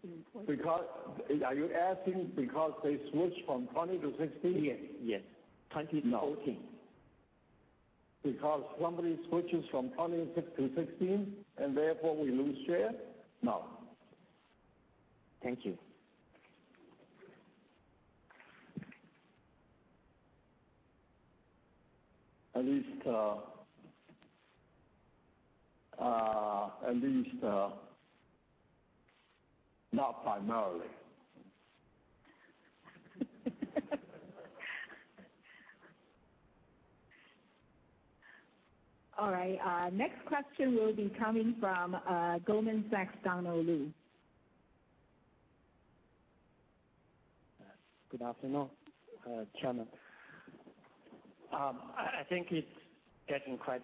[SPEAKER 1] important.
[SPEAKER 3] Are you asking because they switched from 20 to 16?
[SPEAKER 11] Yes. 20 to 14.
[SPEAKER 3] No. Somebody switches from 20 to 16, and therefore we lose share? No.
[SPEAKER 11] Thank you.
[SPEAKER 3] At least, not primarily.
[SPEAKER 1] All right. Next question will be coming from Goldman Sachs, Donald Lu.
[SPEAKER 12] Good afternoon, Chairman. I think it's getting quite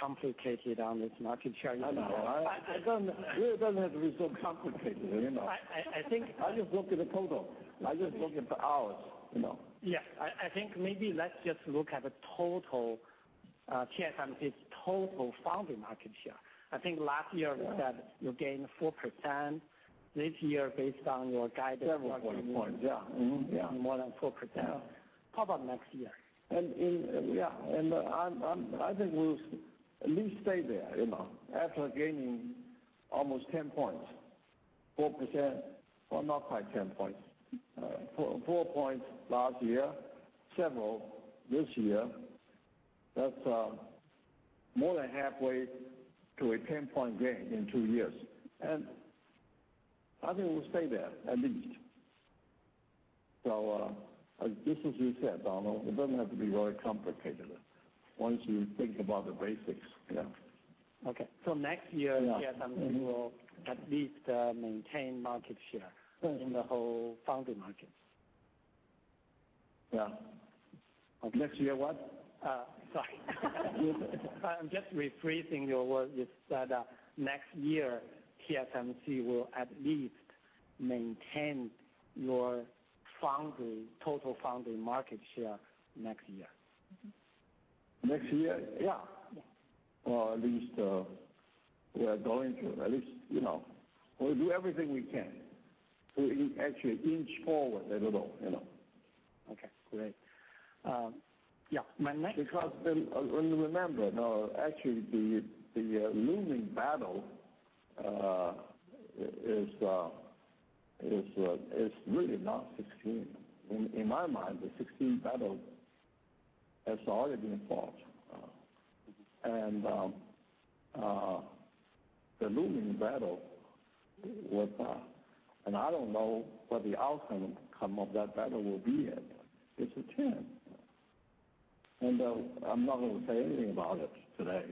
[SPEAKER 12] complicated on this market share.
[SPEAKER 3] I know. It doesn't have to be so complicated.
[SPEAKER 12] I think-
[SPEAKER 3] I just look at the total. I just look at the hours.
[SPEAKER 12] Yes. I think maybe let's just look at the total TSMC's total foundry market share. I think last year we said you gained 4%. This year, based on your guidance.
[SPEAKER 3] Several points.
[SPEAKER 12] More than 4%.
[SPEAKER 3] Yeah.
[SPEAKER 12] How about next year?
[SPEAKER 3] Yeah. I think we'll at least stay there. After gaining almost 10 points, 4%, or not quite 10 points. Four points last year, several this year. That's more than halfway to a 10-point gain in two years. I think we'll stay there, at least. Just as you said, Donald, it doesn't have to be very complicated once you think about the basics. Yeah.
[SPEAKER 12] Okay. Next year-
[SPEAKER 3] Yeah. Mm-hmm.
[SPEAKER 12] TSMC will at least maintain market share- in the whole foundry market.
[SPEAKER 3] Yeah. Next to you what?
[SPEAKER 12] Sorry. I'm just rephrasing your words. You've said next year, TSMC will at least maintain your total foundry market share next year.
[SPEAKER 3] Next year? Yeah.
[SPEAKER 1] Yeah.
[SPEAKER 3] We'll do everything we can to actually inch forward a little.
[SPEAKER 12] Okay, great. Yeah.
[SPEAKER 3] Remember now, actually, the looming battle is really not 16. In my mind, the 16 battle has already been fought. The looming battle with I don't know what the outcome of that battle will be yet. It's a 10. I'm not going to say anything about it today.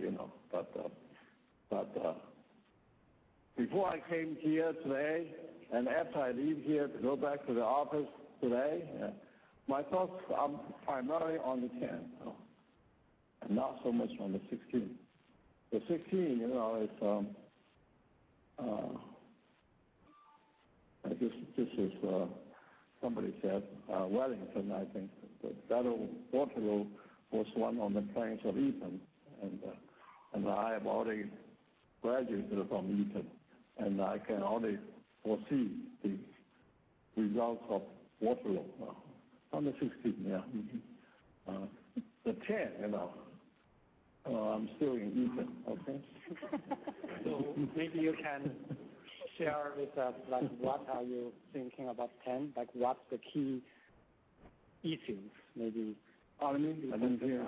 [SPEAKER 3] Before I came here today, and after I leave here to go back to the office today, my thoughts are primarily on the 10, and not so much on the 16. The 16 is. Somebody said, Wellington, I think. The Battle of Waterloo was won on the Plains of Eton, and I have already graduated from Eton, and I can already foresee the results of Waterloo on the 16 there. The 10, I'm still in Eton. Okay?
[SPEAKER 12] maybe you can share with us, what are you thinking about 10? What's the key issues, maybe?
[SPEAKER 3] Maybe I didn't hear.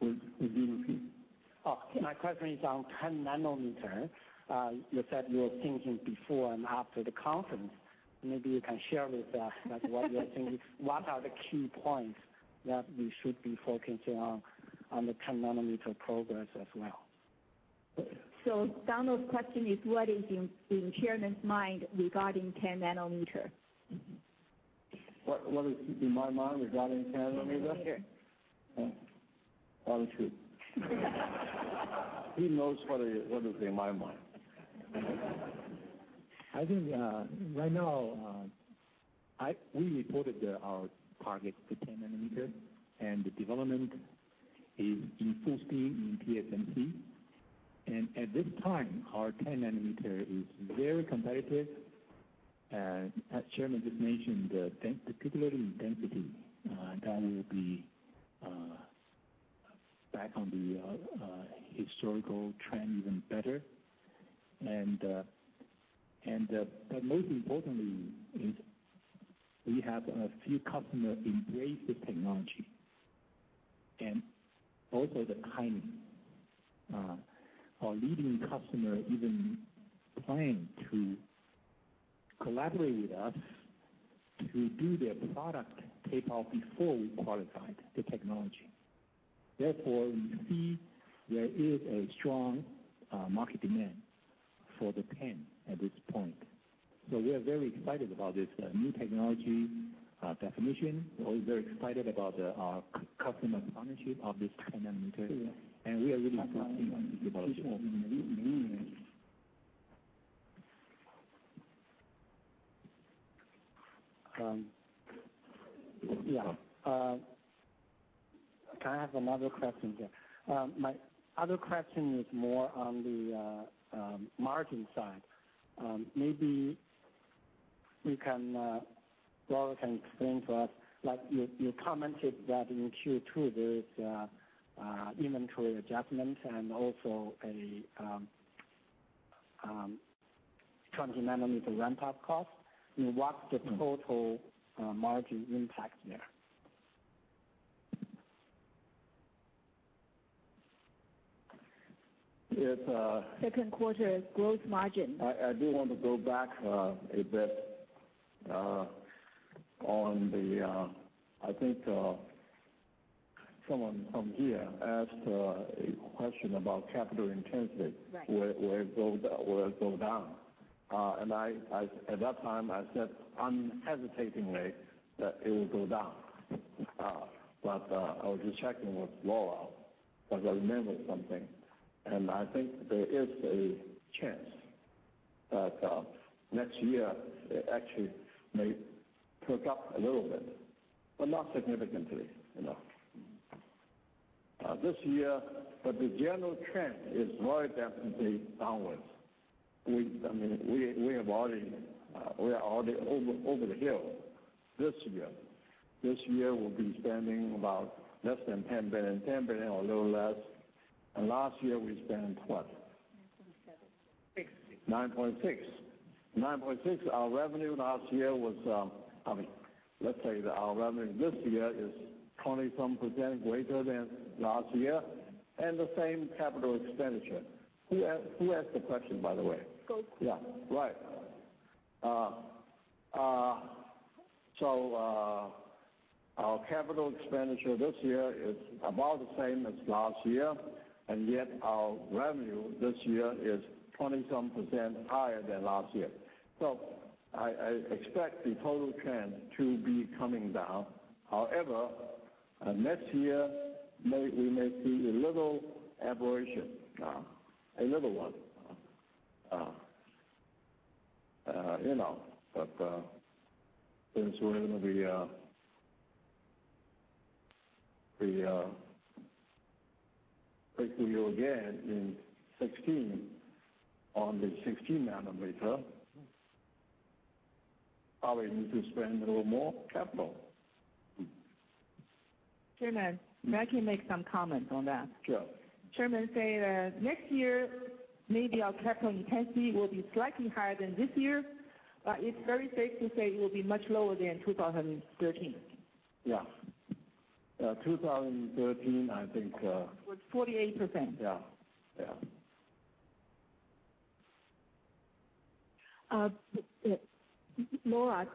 [SPEAKER 3] Would you repeat?
[SPEAKER 12] My question is on 10 nanometer. You said you were thinking before and after the conference, maybe you can share with us like what you are thinking. What are the key points that we should be focusing on the 10 nanometer progress as well?
[SPEAKER 1] Donald's question is, what is in Chairman's mind regarding 10 nanometer?
[SPEAKER 3] What is in my mind regarding 10 nanometer?
[SPEAKER 1] Nanometer.
[SPEAKER 3] I'll shoot. Who knows what is in my mind?
[SPEAKER 7] I think right now, we reported our target for 10 nanometer, the development is in full speed in TSMC. At this time, our 10 nanometer is very competitive. As Chairman just mentioned, the particular intensity, that will be back on the historical trend even better. Most importantly is we have a few customers embrace the technology. Also the timing. Our leading customer even plan to collaborate with us to do their product tape out before we qualified the technology. Therefore, we see there is a strong market demand for the 10 at this point. We are very excited about this new technology definition. We're also very excited about our customer partnership of this 10 nanometer.
[SPEAKER 3] Yeah.
[SPEAKER 12] We are really focusing on the development. Yeah. Can I have another question here? My other question is more on the margin side. Maybe Lora can explain to us, like you commented that in Q2, there is inventory adjustment and also a 20 nanometer ramp-up cost. I mean, what's the total margin impact there?
[SPEAKER 3] It,
[SPEAKER 2] Second quarter gross margin.
[SPEAKER 3] I do want to go back a bit on that, I think someone from here asked a question about capital intensity.
[SPEAKER 2] Right
[SPEAKER 3] Where it go down. At that time, I said unhesitatingly that it will go down. I was just checking with Laura, because I remembered something, I think there is a chance that next year it actually may perk up a little bit, not significantly. This year, the general trend is very definitely downwards. We are already over the hill this year. This year, we'll be spending about less than $10 billion, or a little less. Last year we spent what?
[SPEAKER 2] 9.7.
[SPEAKER 3] 9.6. 9.6. Let's say that our revenue this year is 20-some% greater than last year, the same capital expenditure. Who asked the question, by the way?
[SPEAKER 2] Goldman.
[SPEAKER 3] Yeah. Right. Our capital expenditure this year is about the same as last year, our revenue this year is 20-some% higher than last year. I expect the total trend to be coming down. However, next year, we may see a little aberration. A little one. Since we're going to be taking you again in 2016 on the 16 nanometer, probably need to spend a little more capital.
[SPEAKER 2] Chairman, may I can make some comment on that?
[SPEAKER 3] Sure.
[SPEAKER 2] Chairman say that next year, maybe our capital intensity will be slightly higher than this year, but it's very safe to say it will be much lower than 2013.
[SPEAKER 3] Yeah. 2013.
[SPEAKER 2] Was 48%.
[SPEAKER 3] Yeah.
[SPEAKER 1] Lora,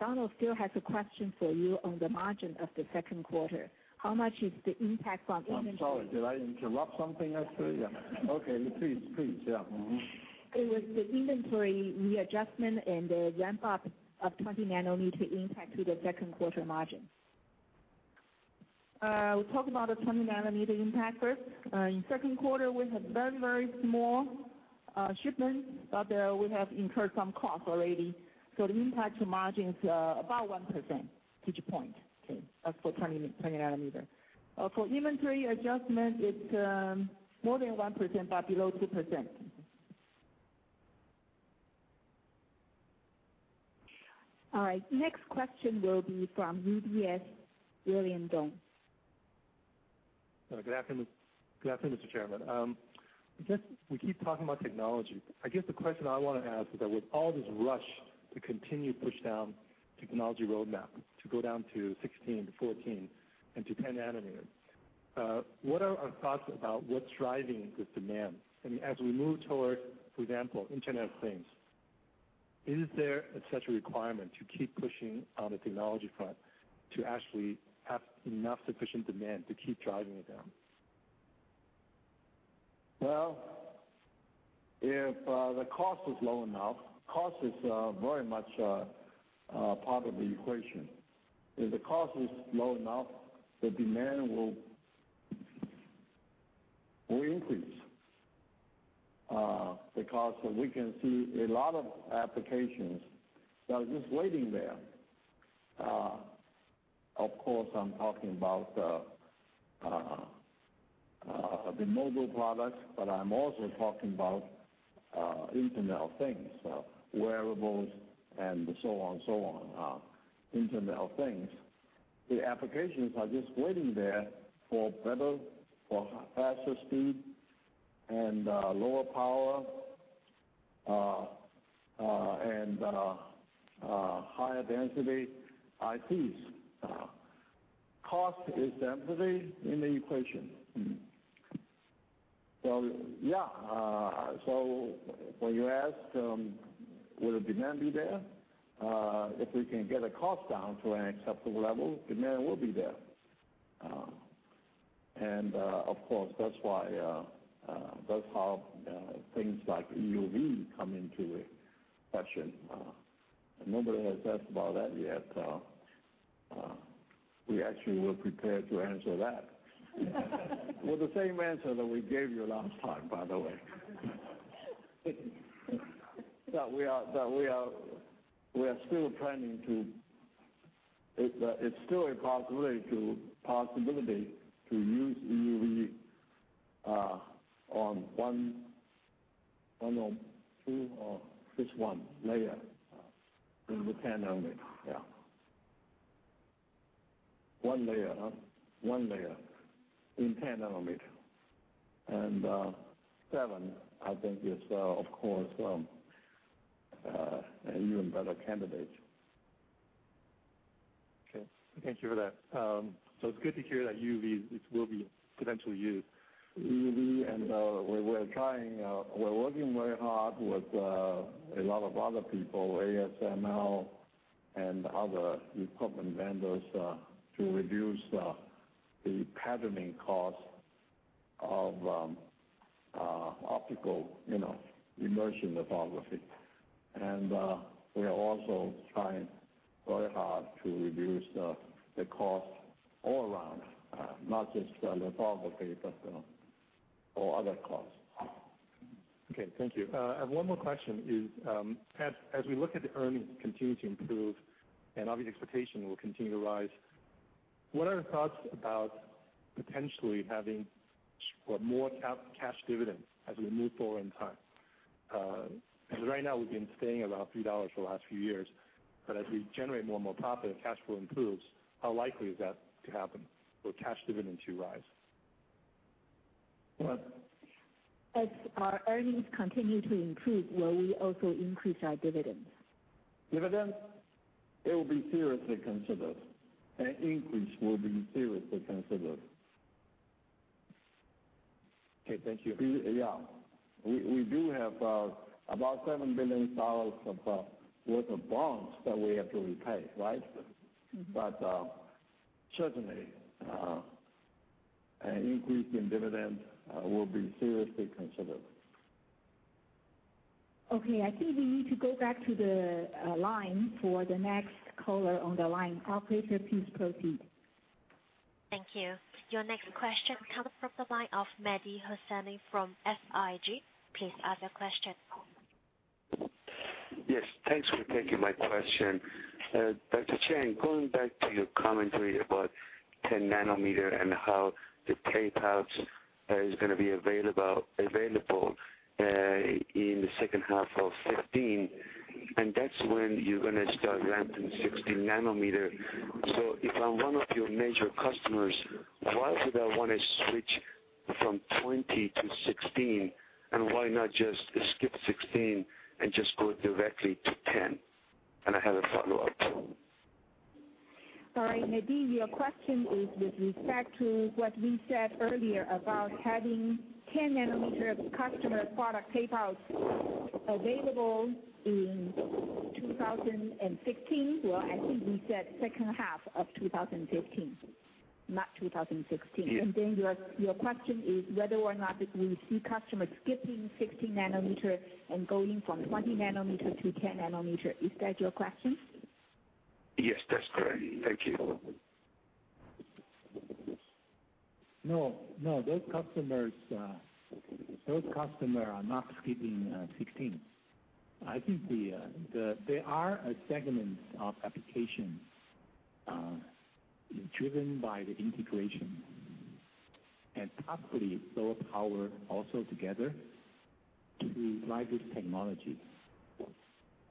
[SPEAKER 1] Donald still has a question for you on the margin of the second quarter. How much is the impact from inventory-
[SPEAKER 3] I'm sorry, did I interrupt something, Elizabeth? Yeah. Okay. Please. Yeah.
[SPEAKER 1] It was the inventory readjustment and the ramp-up of 20 nanometer impact to the second quarter margin.
[SPEAKER 2] We talk about the 20 nanometer impact first. In second quarter, we have very, very small shipment, but we have incurred some cost already. The impact to margin is about 1%, which point, okay, that's for 20 nanometer. For inventory adjustment, it's more than 1% but below 2%.
[SPEAKER 1] All right. Next question will be from UBS, William Dong.
[SPEAKER 13] Good afternoon, Mr. Chairman. We keep talking about technology. I guess the question I want to ask is that with all this rush to continue push down technology roadmap, to go down to 16, to 14, and to 10 nanometer, what are our thoughts about what's driving this demand? I mean, as we move toward, for example, internet of things, is there such a requirement to keep pushing on the technology front to actually have enough sufficient demand to keep driving it down?
[SPEAKER 3] Well, if the cost is low enough, cost is very much a part of the equation. If the cost is low enough, the demand will increase. We can see a lot of applications that are just waiting there. Of course, I'm talking about the mobile products, but I'm also talking about internet of things, wearables and so on. Internet of things. The applications are just waiting there for better, for faster speed and lower power, and higher-density IPs. Cost is definitely in the equation. Yeah, when you ask will the demand be there? If we can get the cost down to an acceptable level, demand will be there. Of course, that's how things like EUV come into the question. Nobody has asked about that yet. We actually were prepared to answer that. With the same answer that we gave you last time, by the way. It's still a possibility to use EUV on one or two or just one layer in the 10 nanometer. Yeah, one layer. In 10 nanometer. Seven, I think, is of course, an even better candidate.
[SPEAKER 13] Thank you for that. It's good to hear that EUV will be potentially used.
[SPEAKER 3] EUV, we're working very hard with a lot of other people, ASML and other equipment vendors, to reduce the patterning cost of optical immersion lithography. We are also trying very hard to reduce the cost all around, not just the lithography, but all other costs.
[SPEAKER 13] Okay, thank you. I have one more question. As we look at the earnings continue to improve, and obviously expectation will continue to rise, what are your thoughts about potentially having more cash dividends as we move forward in time? Because right now, we've been staying about TWD 3 for the last few years, but as we generate more and more profit and cash flow improves, how likely is that to happen, for cash dividend to rise?
[SPEAKER 7] What?
[SPEAKER 1] As our earnings continue to improve, will we also increase our dividends?
[SPEAKER 3] Dividends? It will be seriously considered. An increase will be seriously considered.
[SPEAKER 13] Okay, thank you.
[SPEAKER 3] Yeah. We do have about 7 billion dollars worth of bonds that we have to repay, right? Certainly, an increase in dividends will be seriously considered.
[SPEAKER 1] Okay. I think we need to go back to the line for the next caller on the line. Operator, please proceed.
[SPEAKER 9] Thank you. Your next question comes from the line of Mehdi Hosseini from SIG. Please ask your question.
[SPEAKER 14] Yes, thanks for taking my question. Dr. Chang, going back to your commentary about 10 nanometer and how the tape outs is going to be available in the second half of 2015, that's when you're going to start ramping 16 nanometer. If I'm one of your major customers, why would I want to switch from 20 to 16, and why not just skip 16 and just go directly to 10? I have a follow-up.
[SPEAKER 1] All right, Mehdi, your question is with respect to what we said earlier about having 10 nanometer customer product tape outs available in 2015. Well, I think we said second half of 2015, not 2016.
[SPEAKER 14] Yes.
[SPEAKER 1] Your question is whether or not we see customers skipping 16 nanometer and going from 20 nanometer to 10 nanometer. Is that your question?
[SPEAKER 14] Yes, that's correct. Thank you.
[SPEAKER 7] No. Those customers are not skipping 16. I think there are segments of applications driven by the integration and possibly lower power also together to drive this technology.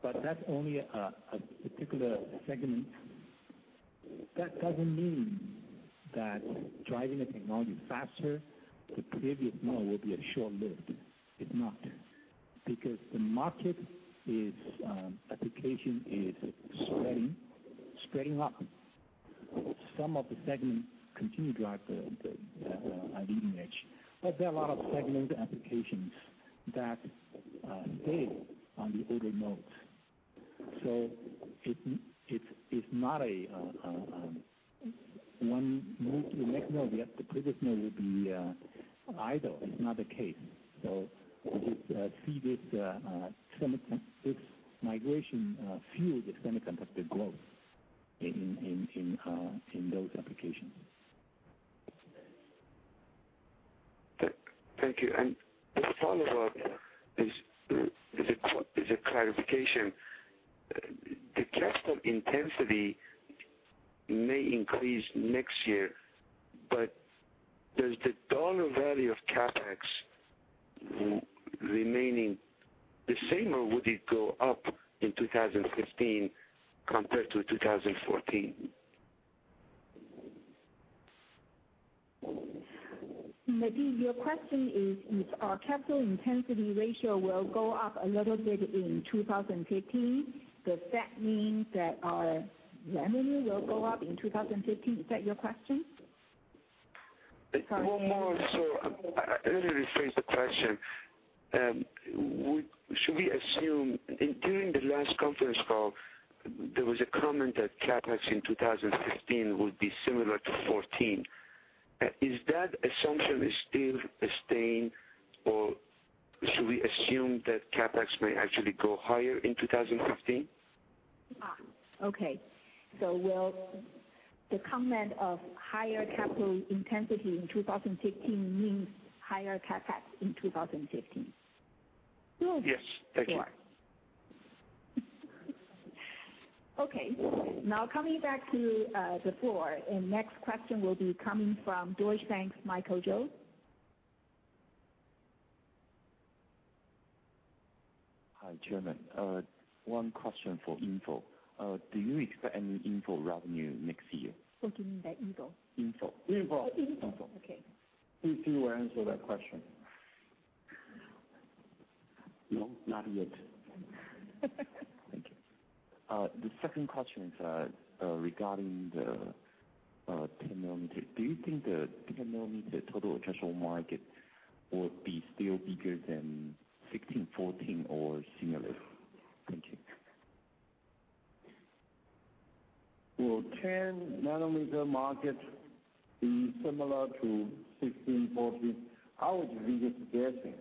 [SPEAKER 7] That's only a particular segment. That doesn't mean that driving a technology faster, the previous node will be short-lived. It's not, because the market application is spreading out. Some of the segments continue to drive the leading edge, but there are a lot of segment applications that stay on the older nodes. It's not a one move to the next node, yet the previous node will be idle. It's not the case. We see this migration fuel the semiconductor growth in those applications.
[SPEAKER 14] Thank you. This follow-up is a clarification. The capital intensity may increase next year, but does the dollar value of CapEx remain the same, or would it go up in 2015 compared to 2014?
[SPEAKER 1] Mehdi, your question is if our capital intensity ratio will go up a little bit in 2015, does that mean that our revenue will go up in 2015? Is that your question?
[SPEAKER 14] Well, more so, let me rephrase the question. During the last conference call, there was a comment that CapEx in 2015 would be similar to 2014. Is that assumption still staying, or should we assume that CapEx may actually go higher in 2015?
[SPEAKER 1] Okay. Will the comment of higher capital intensity in 2015 mean higher CapEx in 2015?
[SPEAKER 14] Yes, that's right.
[SPEAKER 1] Okay. Okay, now coming back to the floor, next question will be coming from Deutsche Bank's Michael Chou.
[SPEAKER 15] Chairman, one question for InFO. Do you expect any InFO revenue next year?
[SPEAKER 1] Oh, you mean the Eagle?
[SPEAKER 15] InFO.
[SPEAKER 3] InFO.
[SPEAKER 1] Oh, InFO. Okay.
[SPEAKER 3] Please do answer that question.
[SPEAKER 15] No, not yet. Thank you. The second question is regarding the 10 nanometer. Do you think the 10 nanometer total addressable market will be still bigger than 16 nanometer, 14 nanometer, or similar? Thank you.
[SPEAKER 3] Will 10 nanometer market be similar to 16 nanometer, 14 nanometer? I would be just guessing.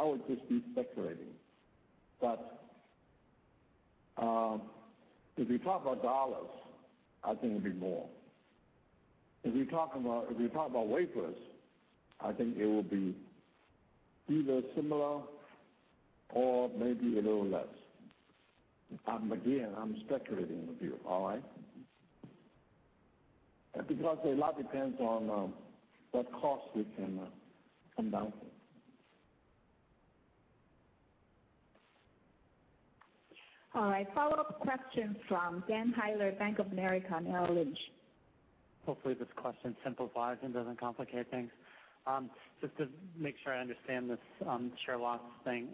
[SPEAKER 3] I would just be speculating. If we talk about dollars, I think it'll be more. If we talk about wafers, I think it will be either similar or maybe a little less. Again, I'm speculating with you, all right? Because a lot depends on what cost we can come down to.
[SPEAKER 1] All right. Follow-up question from Dan Heyler, Bank of America Merrill Lynch.
[SPEAKER 6] Hopefully this question simplifies and doesn't complicate things. Just to make sure I understand this share loss thing.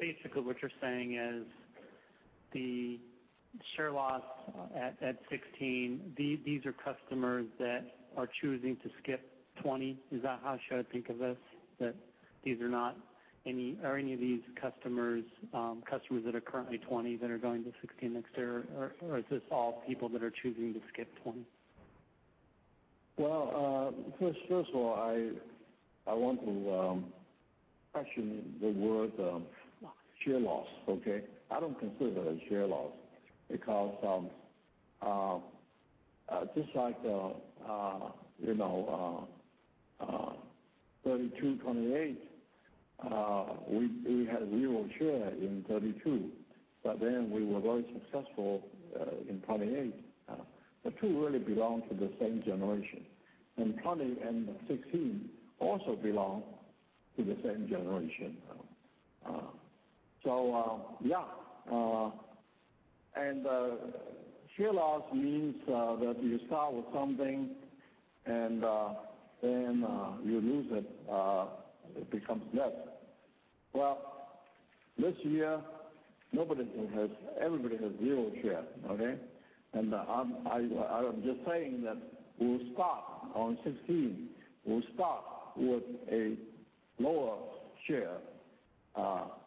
[SPEAKER 6] Basically, what you're saying is the share loss at 16 nanometer, these are customers that are choosing to skip 20 nanometer. Is that how I should think of this? Are any of these customers that are currently 20 nanometer that are going to 16 nanometer next year, or is this all people that are choosing to skip 20 nanometer?
[SPEAKER 3] first of all, I want to question the word-
[SPEAKER 1] Loss
[SPEAKER 3] share loss, okay? I don't consider it a share loss because just like 32, 28, we had real share in 32. We were very successful in 28. The two really belong to the same generation. 20 and 16 also belong to the same generation. Yeah. Share loss means that you start with something and then you lose it. It becomes less. This year, everybody has real share, okay? I'm just saying that we'll start on 16. We'll start with a lower share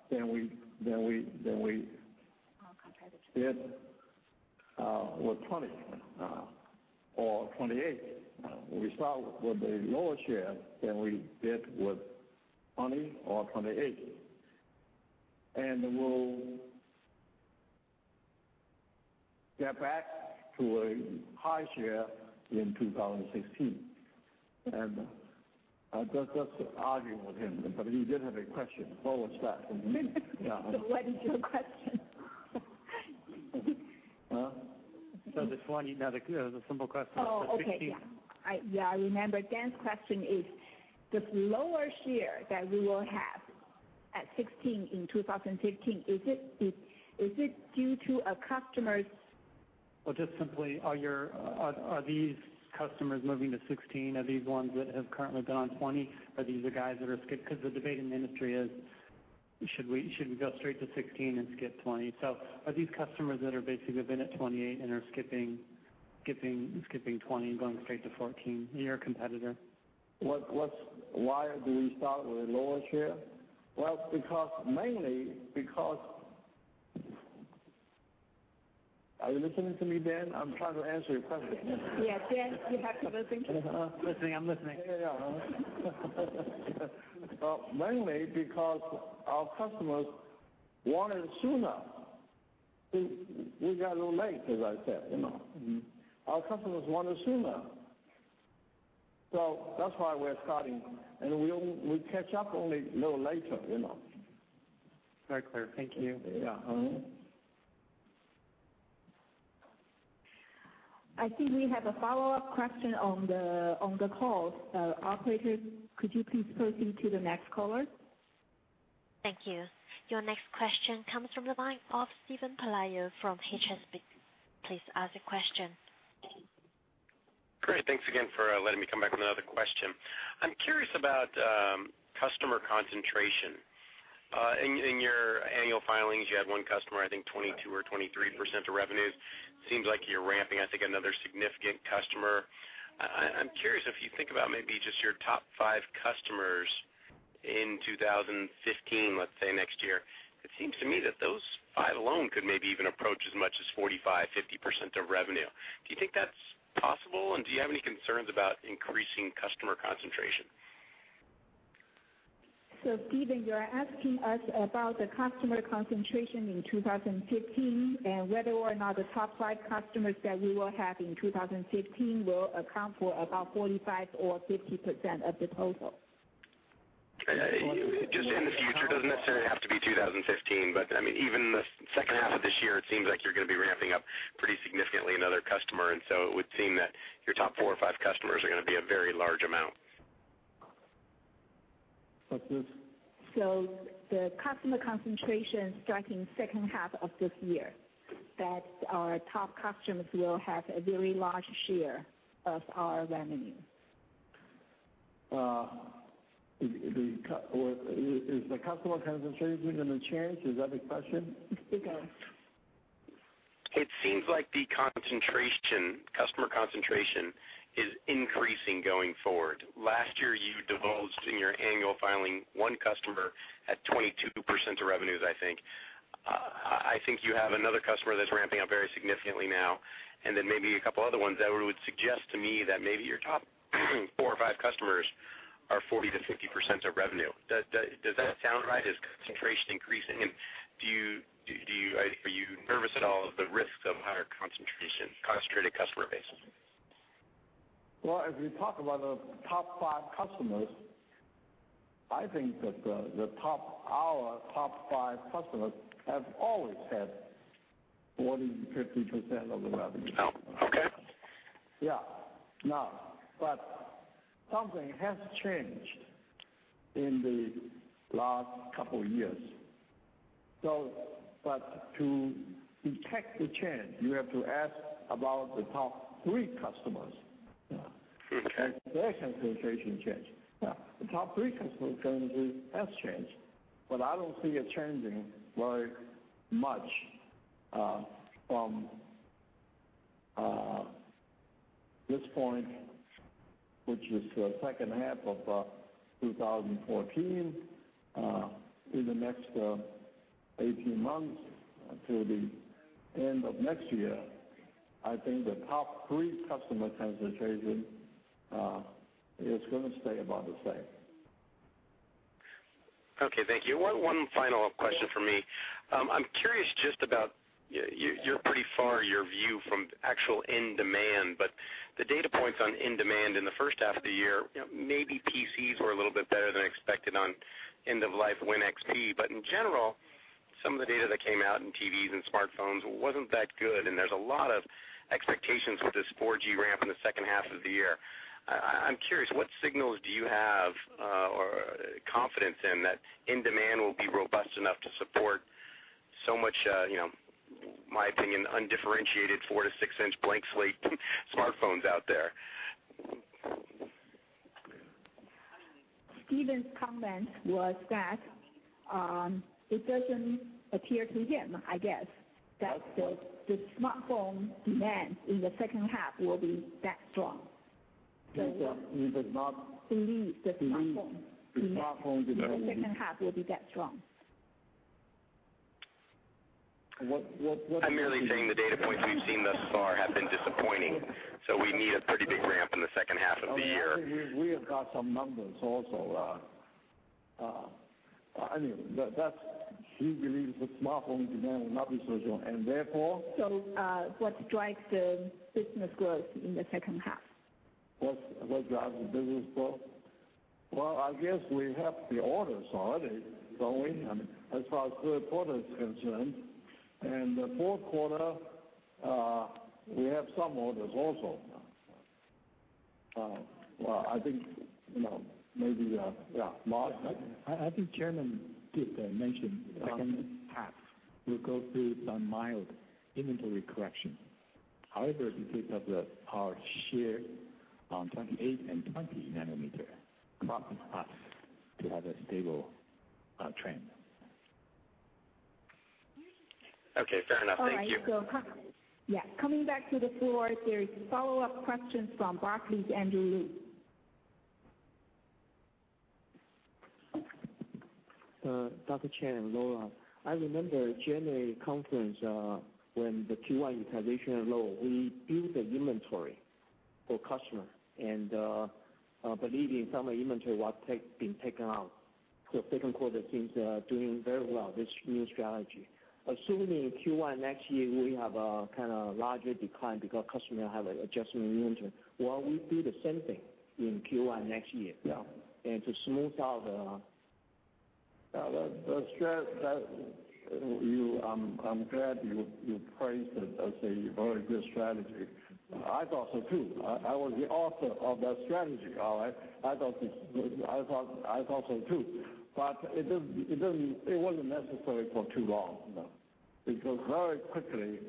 [SPEAKER 3] than we-
[SPEAKER 1] Contrarily
[SPEAKER 3] did with 20 or 28. We start with a lower share than we did with 20 or 28. We'll get back to a high share in 2016. That's arguing with him, but he did have a question all the same.
[SPEAKER 1] What is your question?
[SPEAKER 6] Well, the 20 nanometer. A simple question about the 16.
[SPEAKER 1] Oh, okay. Yeah. I remember. Dan's question is this lower share that we will have at 16 in 2015, is it due to a customer's
[SPEAKER 6] Just simply, are these customers moving to 16? Are these ones that have currently been on 20? Are these the guys that are skip-- Because the debate in the industry is should we go straight to 16 and skip 20? Are these customers that are basically have been at 28 and are skipping 20 and going straight to 14, your competitor?
[SPEAKER 3] Why do we start with a lower share? Well, mainly because Are you listening to me, Dan? I'm trying to answer your question.
[SPEAKER 1] Yes, Dan, you have to listen.
[SPEAKER 6] I'm listening.
[SPEAKER 3] Yeah. Mainly because our customers want it sooner. We got a little late, as I said. Our customers want it sooner. That's why we're starting, and we'll catch up only a little later.
[SPEAKER 6] Very clear. Thank you.
[SPEAKER 3] Yeah. Mm-hmm.
[SPEAKER 1] I think we have a follow-up question on the call. Operator, could you please proceed to the next caller?
[SPEAKER 9] Thank you. Your next question comes from the line of Steven Pelayo from HSBC. Please ask your question.
[SPEAKER 10] Great. Thanks again for letting me come back with another question. I'm curious about customer concentration. In your annual filings, you had one customer, I think 22% or 23% of revenues. Seems like you're ramping, I think, another significant customer. I'm curious if you think about maybe just your top five customers in 2015, let's say next year, it seems to me that those five alone could maybe even approach as much as 45%, 50% of revenue. Do you think that's possible, and do you have any concerns about increasing customer concentration?
[SPEAKER 1] Steven, you are asking us about the customer concentration in 2015, and whether or not the top five customers that we will have in 2015 will account for about 45% or 50% of the total.
[SPEAKER 10] Just in the future. Doesn't necessarily have to be 2015, but even the second half of this year, it seems like you're going to be ramping up pretty significantly another customer, and so it would seem that your top four or five customers are going to be a very large amount.
[SPEAKER 3] What's this?
[SPEAKER 1] The customer concentration starting second half of this year, that our top customers will have a very large share of our revenue.
[SPEAKER 3] Is the customer concentration going to change? Is that the question?
[SPEAKER 1] It is.
[SPEAKER 10] It seems like the customer concentration is increasing going forward. Last year, you divulged in your annual filing one customer at 22% of revenues, I think. I think you have another customer that's ramping up very significantly now, and then maybe a couple other ones. That would suggest to me that maybe your top four or five customers are 40%-50% of revenue. Does that sound right? Is concentration increasing, and are you nervous at all of the risks of higher concentration, concentrated customer base?
[SPEAKER 3] Well, if you talk about our top five customers, I think that our top five customers have always had 40%-50% of the revenue.
[SPEAKER 10] Oh, okay.
[SPEAKER 3] Yeah. Now, something has changed in the last couple of years. To detect the change, you have to ask about the top three customers.
[SPEAKER 10] Okay.
[SPEAKER 3] Their concentration changed. Yeah. The top three customers currently has changed, but I don't see it changing very much from this point, which is the second half of 2014, in the next 18 months until the end of next year. I think the top three customer concentration is going to stay about the same.
[SPEAKER 10] Okay, thank you. One final question from me.
[SPEAKER 1] Yes.
[SPEAKER 10] I'm curious just about, you're pretty far, your view, from actual end demand, the data points on end demand in the first half of the year, maybe PCs were a little bit better than expected on end-of-life Windows XP. In general, some of the data that came out in TVs and smartphones wasn't that good, and there's a lot of expectations with this 4G ramp in the second half of the year. I'm curious, what signals do you have or confidence in that end demand will be robust enough to support so much, in my opinion, undifferentiated 4 to 6-inch blank slate smartphones out there?
[SPEAKER 1] Steven's comment was that it doesn't appear to him, I guess, that the smartphone demand in the second half will be that strong.
[SPEAKER 3] He does not-
[SPEAKER 1] Believe the smartphone demand-
[SPEAKER 3] Believe the smartphone demand-
[SPEAKER 1] in the second half will be that strong.
[SPEAKER 3] What does he mean?
[SPEAKER 10] I'm merely saying the data points we've seen thus far have been disappointing, so we need a pretty big ramp in the second half of the year.
[SPEAKER 3] I think we have got some numbers also. Anyway, he believes that smartphone demand will not be so strong, and therefore?
[SPEAKER 1] What drives the business growth in the second half?
[SPEAKER 3] What drives the business growth? Well, I guess we have the orders already, don't we? As far as third quarter is concerned, and the fourth quarter, we have some orders also. Well, I think maybe. Yeah, Mark?
[SPEAKER 7] I think Chairman did mention second half will go through some mild inventory correction. However, because of our share on 28 and 20 nanometer prompts us to have a stable trend.
[SPEAKER 10] Okay, fair enough. Thank you.
[SPEAKER 1] All right. Yeah. Coming back to the floor, there is follow-up questions from Barclays, Andrew Lu.
[SPEAKER 11] Morris Chang and Lora, I remember January conference, when the Q1 utilization low, we build the inventory for customer and, believing some of the inventory was being taken out. Second quarter seems doing very well, this new strategy. Assuming in Q1 next year, we have a larger decline because customer have adjustment inventory. Will we do the same thing in Q1 next year?
[SPEAKER 3] Yeah.
[SPEAKER 11] To smooth out.
[SPEAKER 3] I'm glad you praised it as a very good strategy. I thought so, too. I was the author of that strategy. All right. I thought so, too. It wasn't necessary for too long.
[SPEAKER 11] Yeah.
[SPEAKER 3] Very quickly,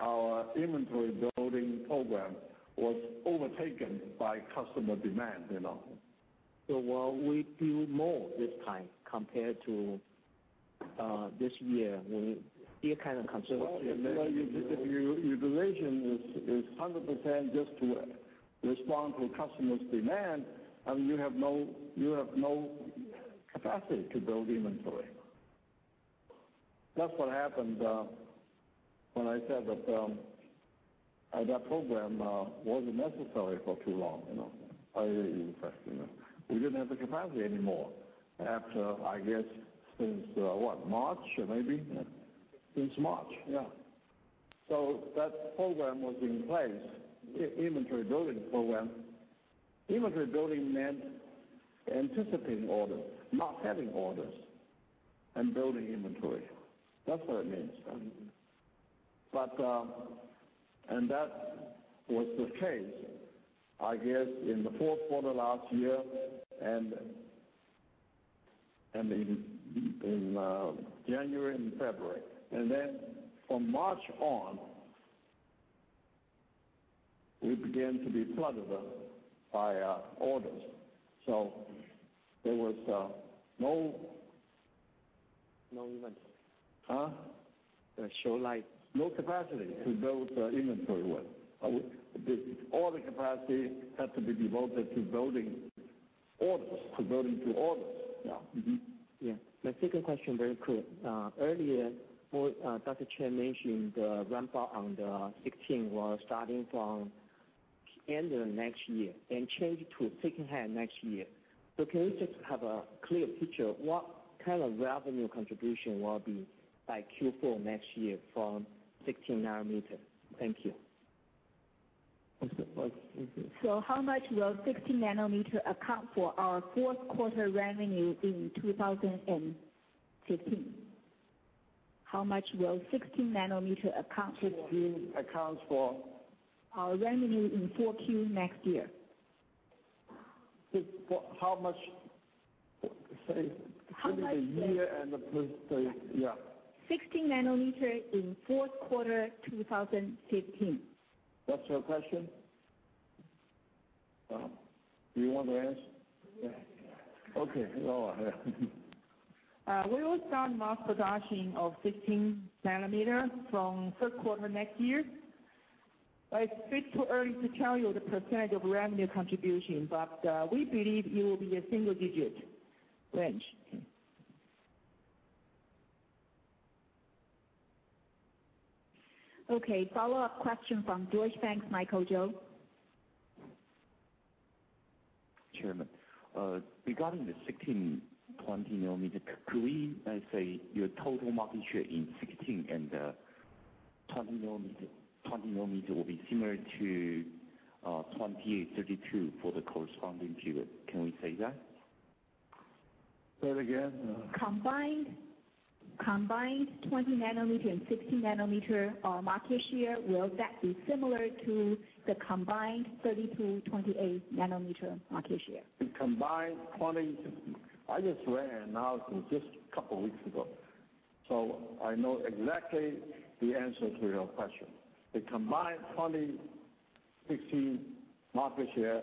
[SPEAKER 3] our inventory building program was overtaken by customer demand.
[SPEAKER 11] Will we do more this time compared to this year? Will be a kind of conservative.
[SPEAKER 3] Well, if your division is 100% just to respond to customer's demand, you have no capacity to build inventory. That's what happened when I said that program wasn't necessary for too long.
[SPEAKER 11] I see.
[SPEAKER 3] We didn't have the capacity anymore after, I guess, since March, maybe? Since March, yeah. That program was in place, inventory building program. Inventory building meant anticipating orders, not having orders and building inventory. That's what it means. That was the case, I guess, in the fourth quarter last year and in January and February. From March on, we began to be flooded by orders. There was no
[SPEAKER 11] No inventory.
[SPEAKER 3] Huh?
[SPEAKER 11] Show light.
[SPEAKER 3] No capacity to build the inventory with. All the capacity had to be devoted to building orders.
[SPEAKER 11] Yeah. My second question, very quick. Earlier, Dr. Chang mentioned the ramp up on the 16 nanometer was starting from end of next year and change to second half next year. Can we just have a clear picture of what kind of revenue contribution will be by Q4 next year from 16 nanometer? Thank you.
[SPEAKER 3] What's the question?
[SPEAKER 1] How much will 16 nanometer account for our fourth quarter revenue in 2015?
[SPEAKER 3] 16 accounts for?
[SPEAKER 1] Our revenue in 4Q next year.
[SPEAKER 3] How much? Say the year and the Yeah.
[SPEAKER 1] 16 nanometer in fourth quarter 2015.
[SPEAKER 3] That's your question? Do you want to answer?
[SPEAKER 2] Yeah.
[SPEAKER 3] Okay, Lora.
[SPEAKER 2] We will start mass production of 16 nanometer from third quarter next year. It's bit too early to tell you the percentage of revenue contribution, but we believe it will be a single-digit range.
[SPEAKER 1] Okay. Follow-up question from Deutsche Bank's Michael Chou.
[SPEAKER 15] Chairman, regarding the 16/20 nanometer, could we say your total market share in 16 and the 20 nanometer will be similar to 28, 32 for the corresponding period? Can we say that?
[SPEAKER 3] Say that again.
[SPEAKER 1] Combined 20 nanometer and 16 nanometer market share, will that be similar to the combined 32/28 nanometer market share?
[SPEAKER 3] The combined 20 I just ran an analysis just a couple weeks ago, so I know exactly the answer to your question. The combined 20/16 market share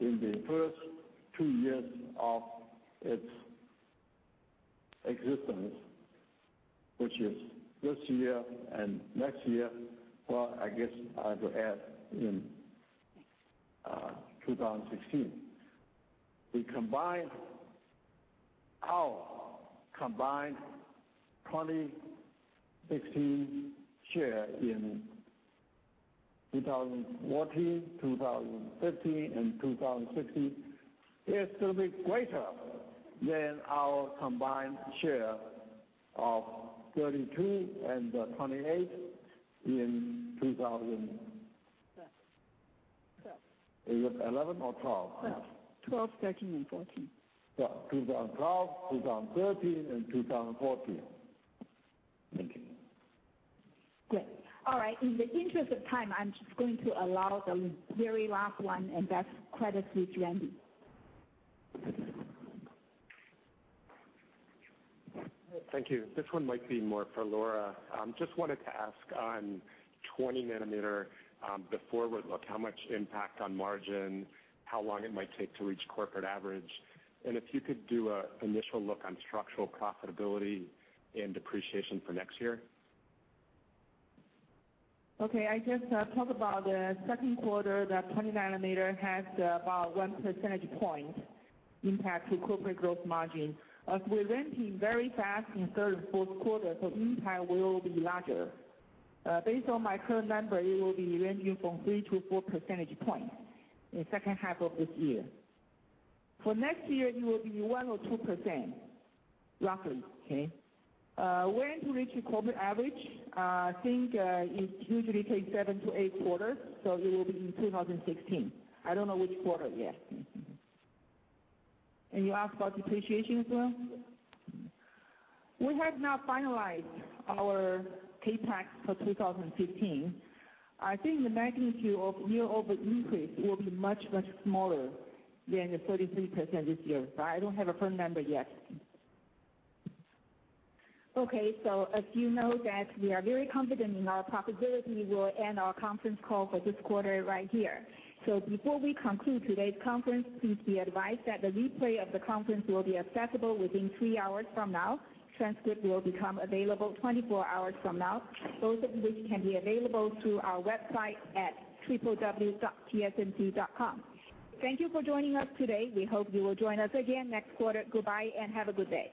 [SPEAKER 3] in the first two years of its existence, which is this year and next year, well, I guess I have to add in 2016. The combined 20/16 share in 2014, 2015, and 2016 is going to be greater than our combined share of 32 and 28 in two thousand
[SPEAKER 2] 2012. 2012.
[SPEAKER 3] Is it 2011 or 2012?
[SPEAKER 2] 12. 12, 13, and 14.
[SPEAKER 3] Yeah. 2012, 2013, and 2014.
[SPEAKER 15] Thank you.
[SPEAKER 1] Great. All right. In the interest of time, I'm just going to allow the very last one, and that's Credit Suisse, Randy.
[SPEAKER 4] Thank you. This one might be more for Lora. Just wanted to ask on 20 nanometer, the forward look, how much impact on margin, how long it might take to reach corporate average, and if you could do an initial look on structural profitability and depreciation for next year.
[SPEAKER 2] Okay. I just talked about the second quarter, that 20 nanometer has about one percentage point impact to corporate gross margin. As we're ramping very fast in third and fourth quarter, impact will be larger. Based on my current number, it will be ranging from three to four percentage points in second half of this year. For next year, it will be 1% or 2%, roughly, okay? When to reach a corporate average? I think it usually takes seven to eight quarters, so it will be in 2016. I don't know which quarter yet. You asked about depreciation as well? We have not finalized our CapEx for 2015. I think the magnitude of year-over increase will be much, much smaller than the 33% this year. I don't have a firm number yet.
[SPEAKER 1] Okay. As you know that we are very confident in our profitability, we will end our conference call for this quarter right here. Before we conclude today's conference, please be advised that the replay of the conference will be accessible within three hours from now. Transcript will become available 24 hours from now. Both of which can be available through our website at www.tsmc.com. Thank you for joining us today. We hope you will join us again next quarter. Goodbye and have a good day.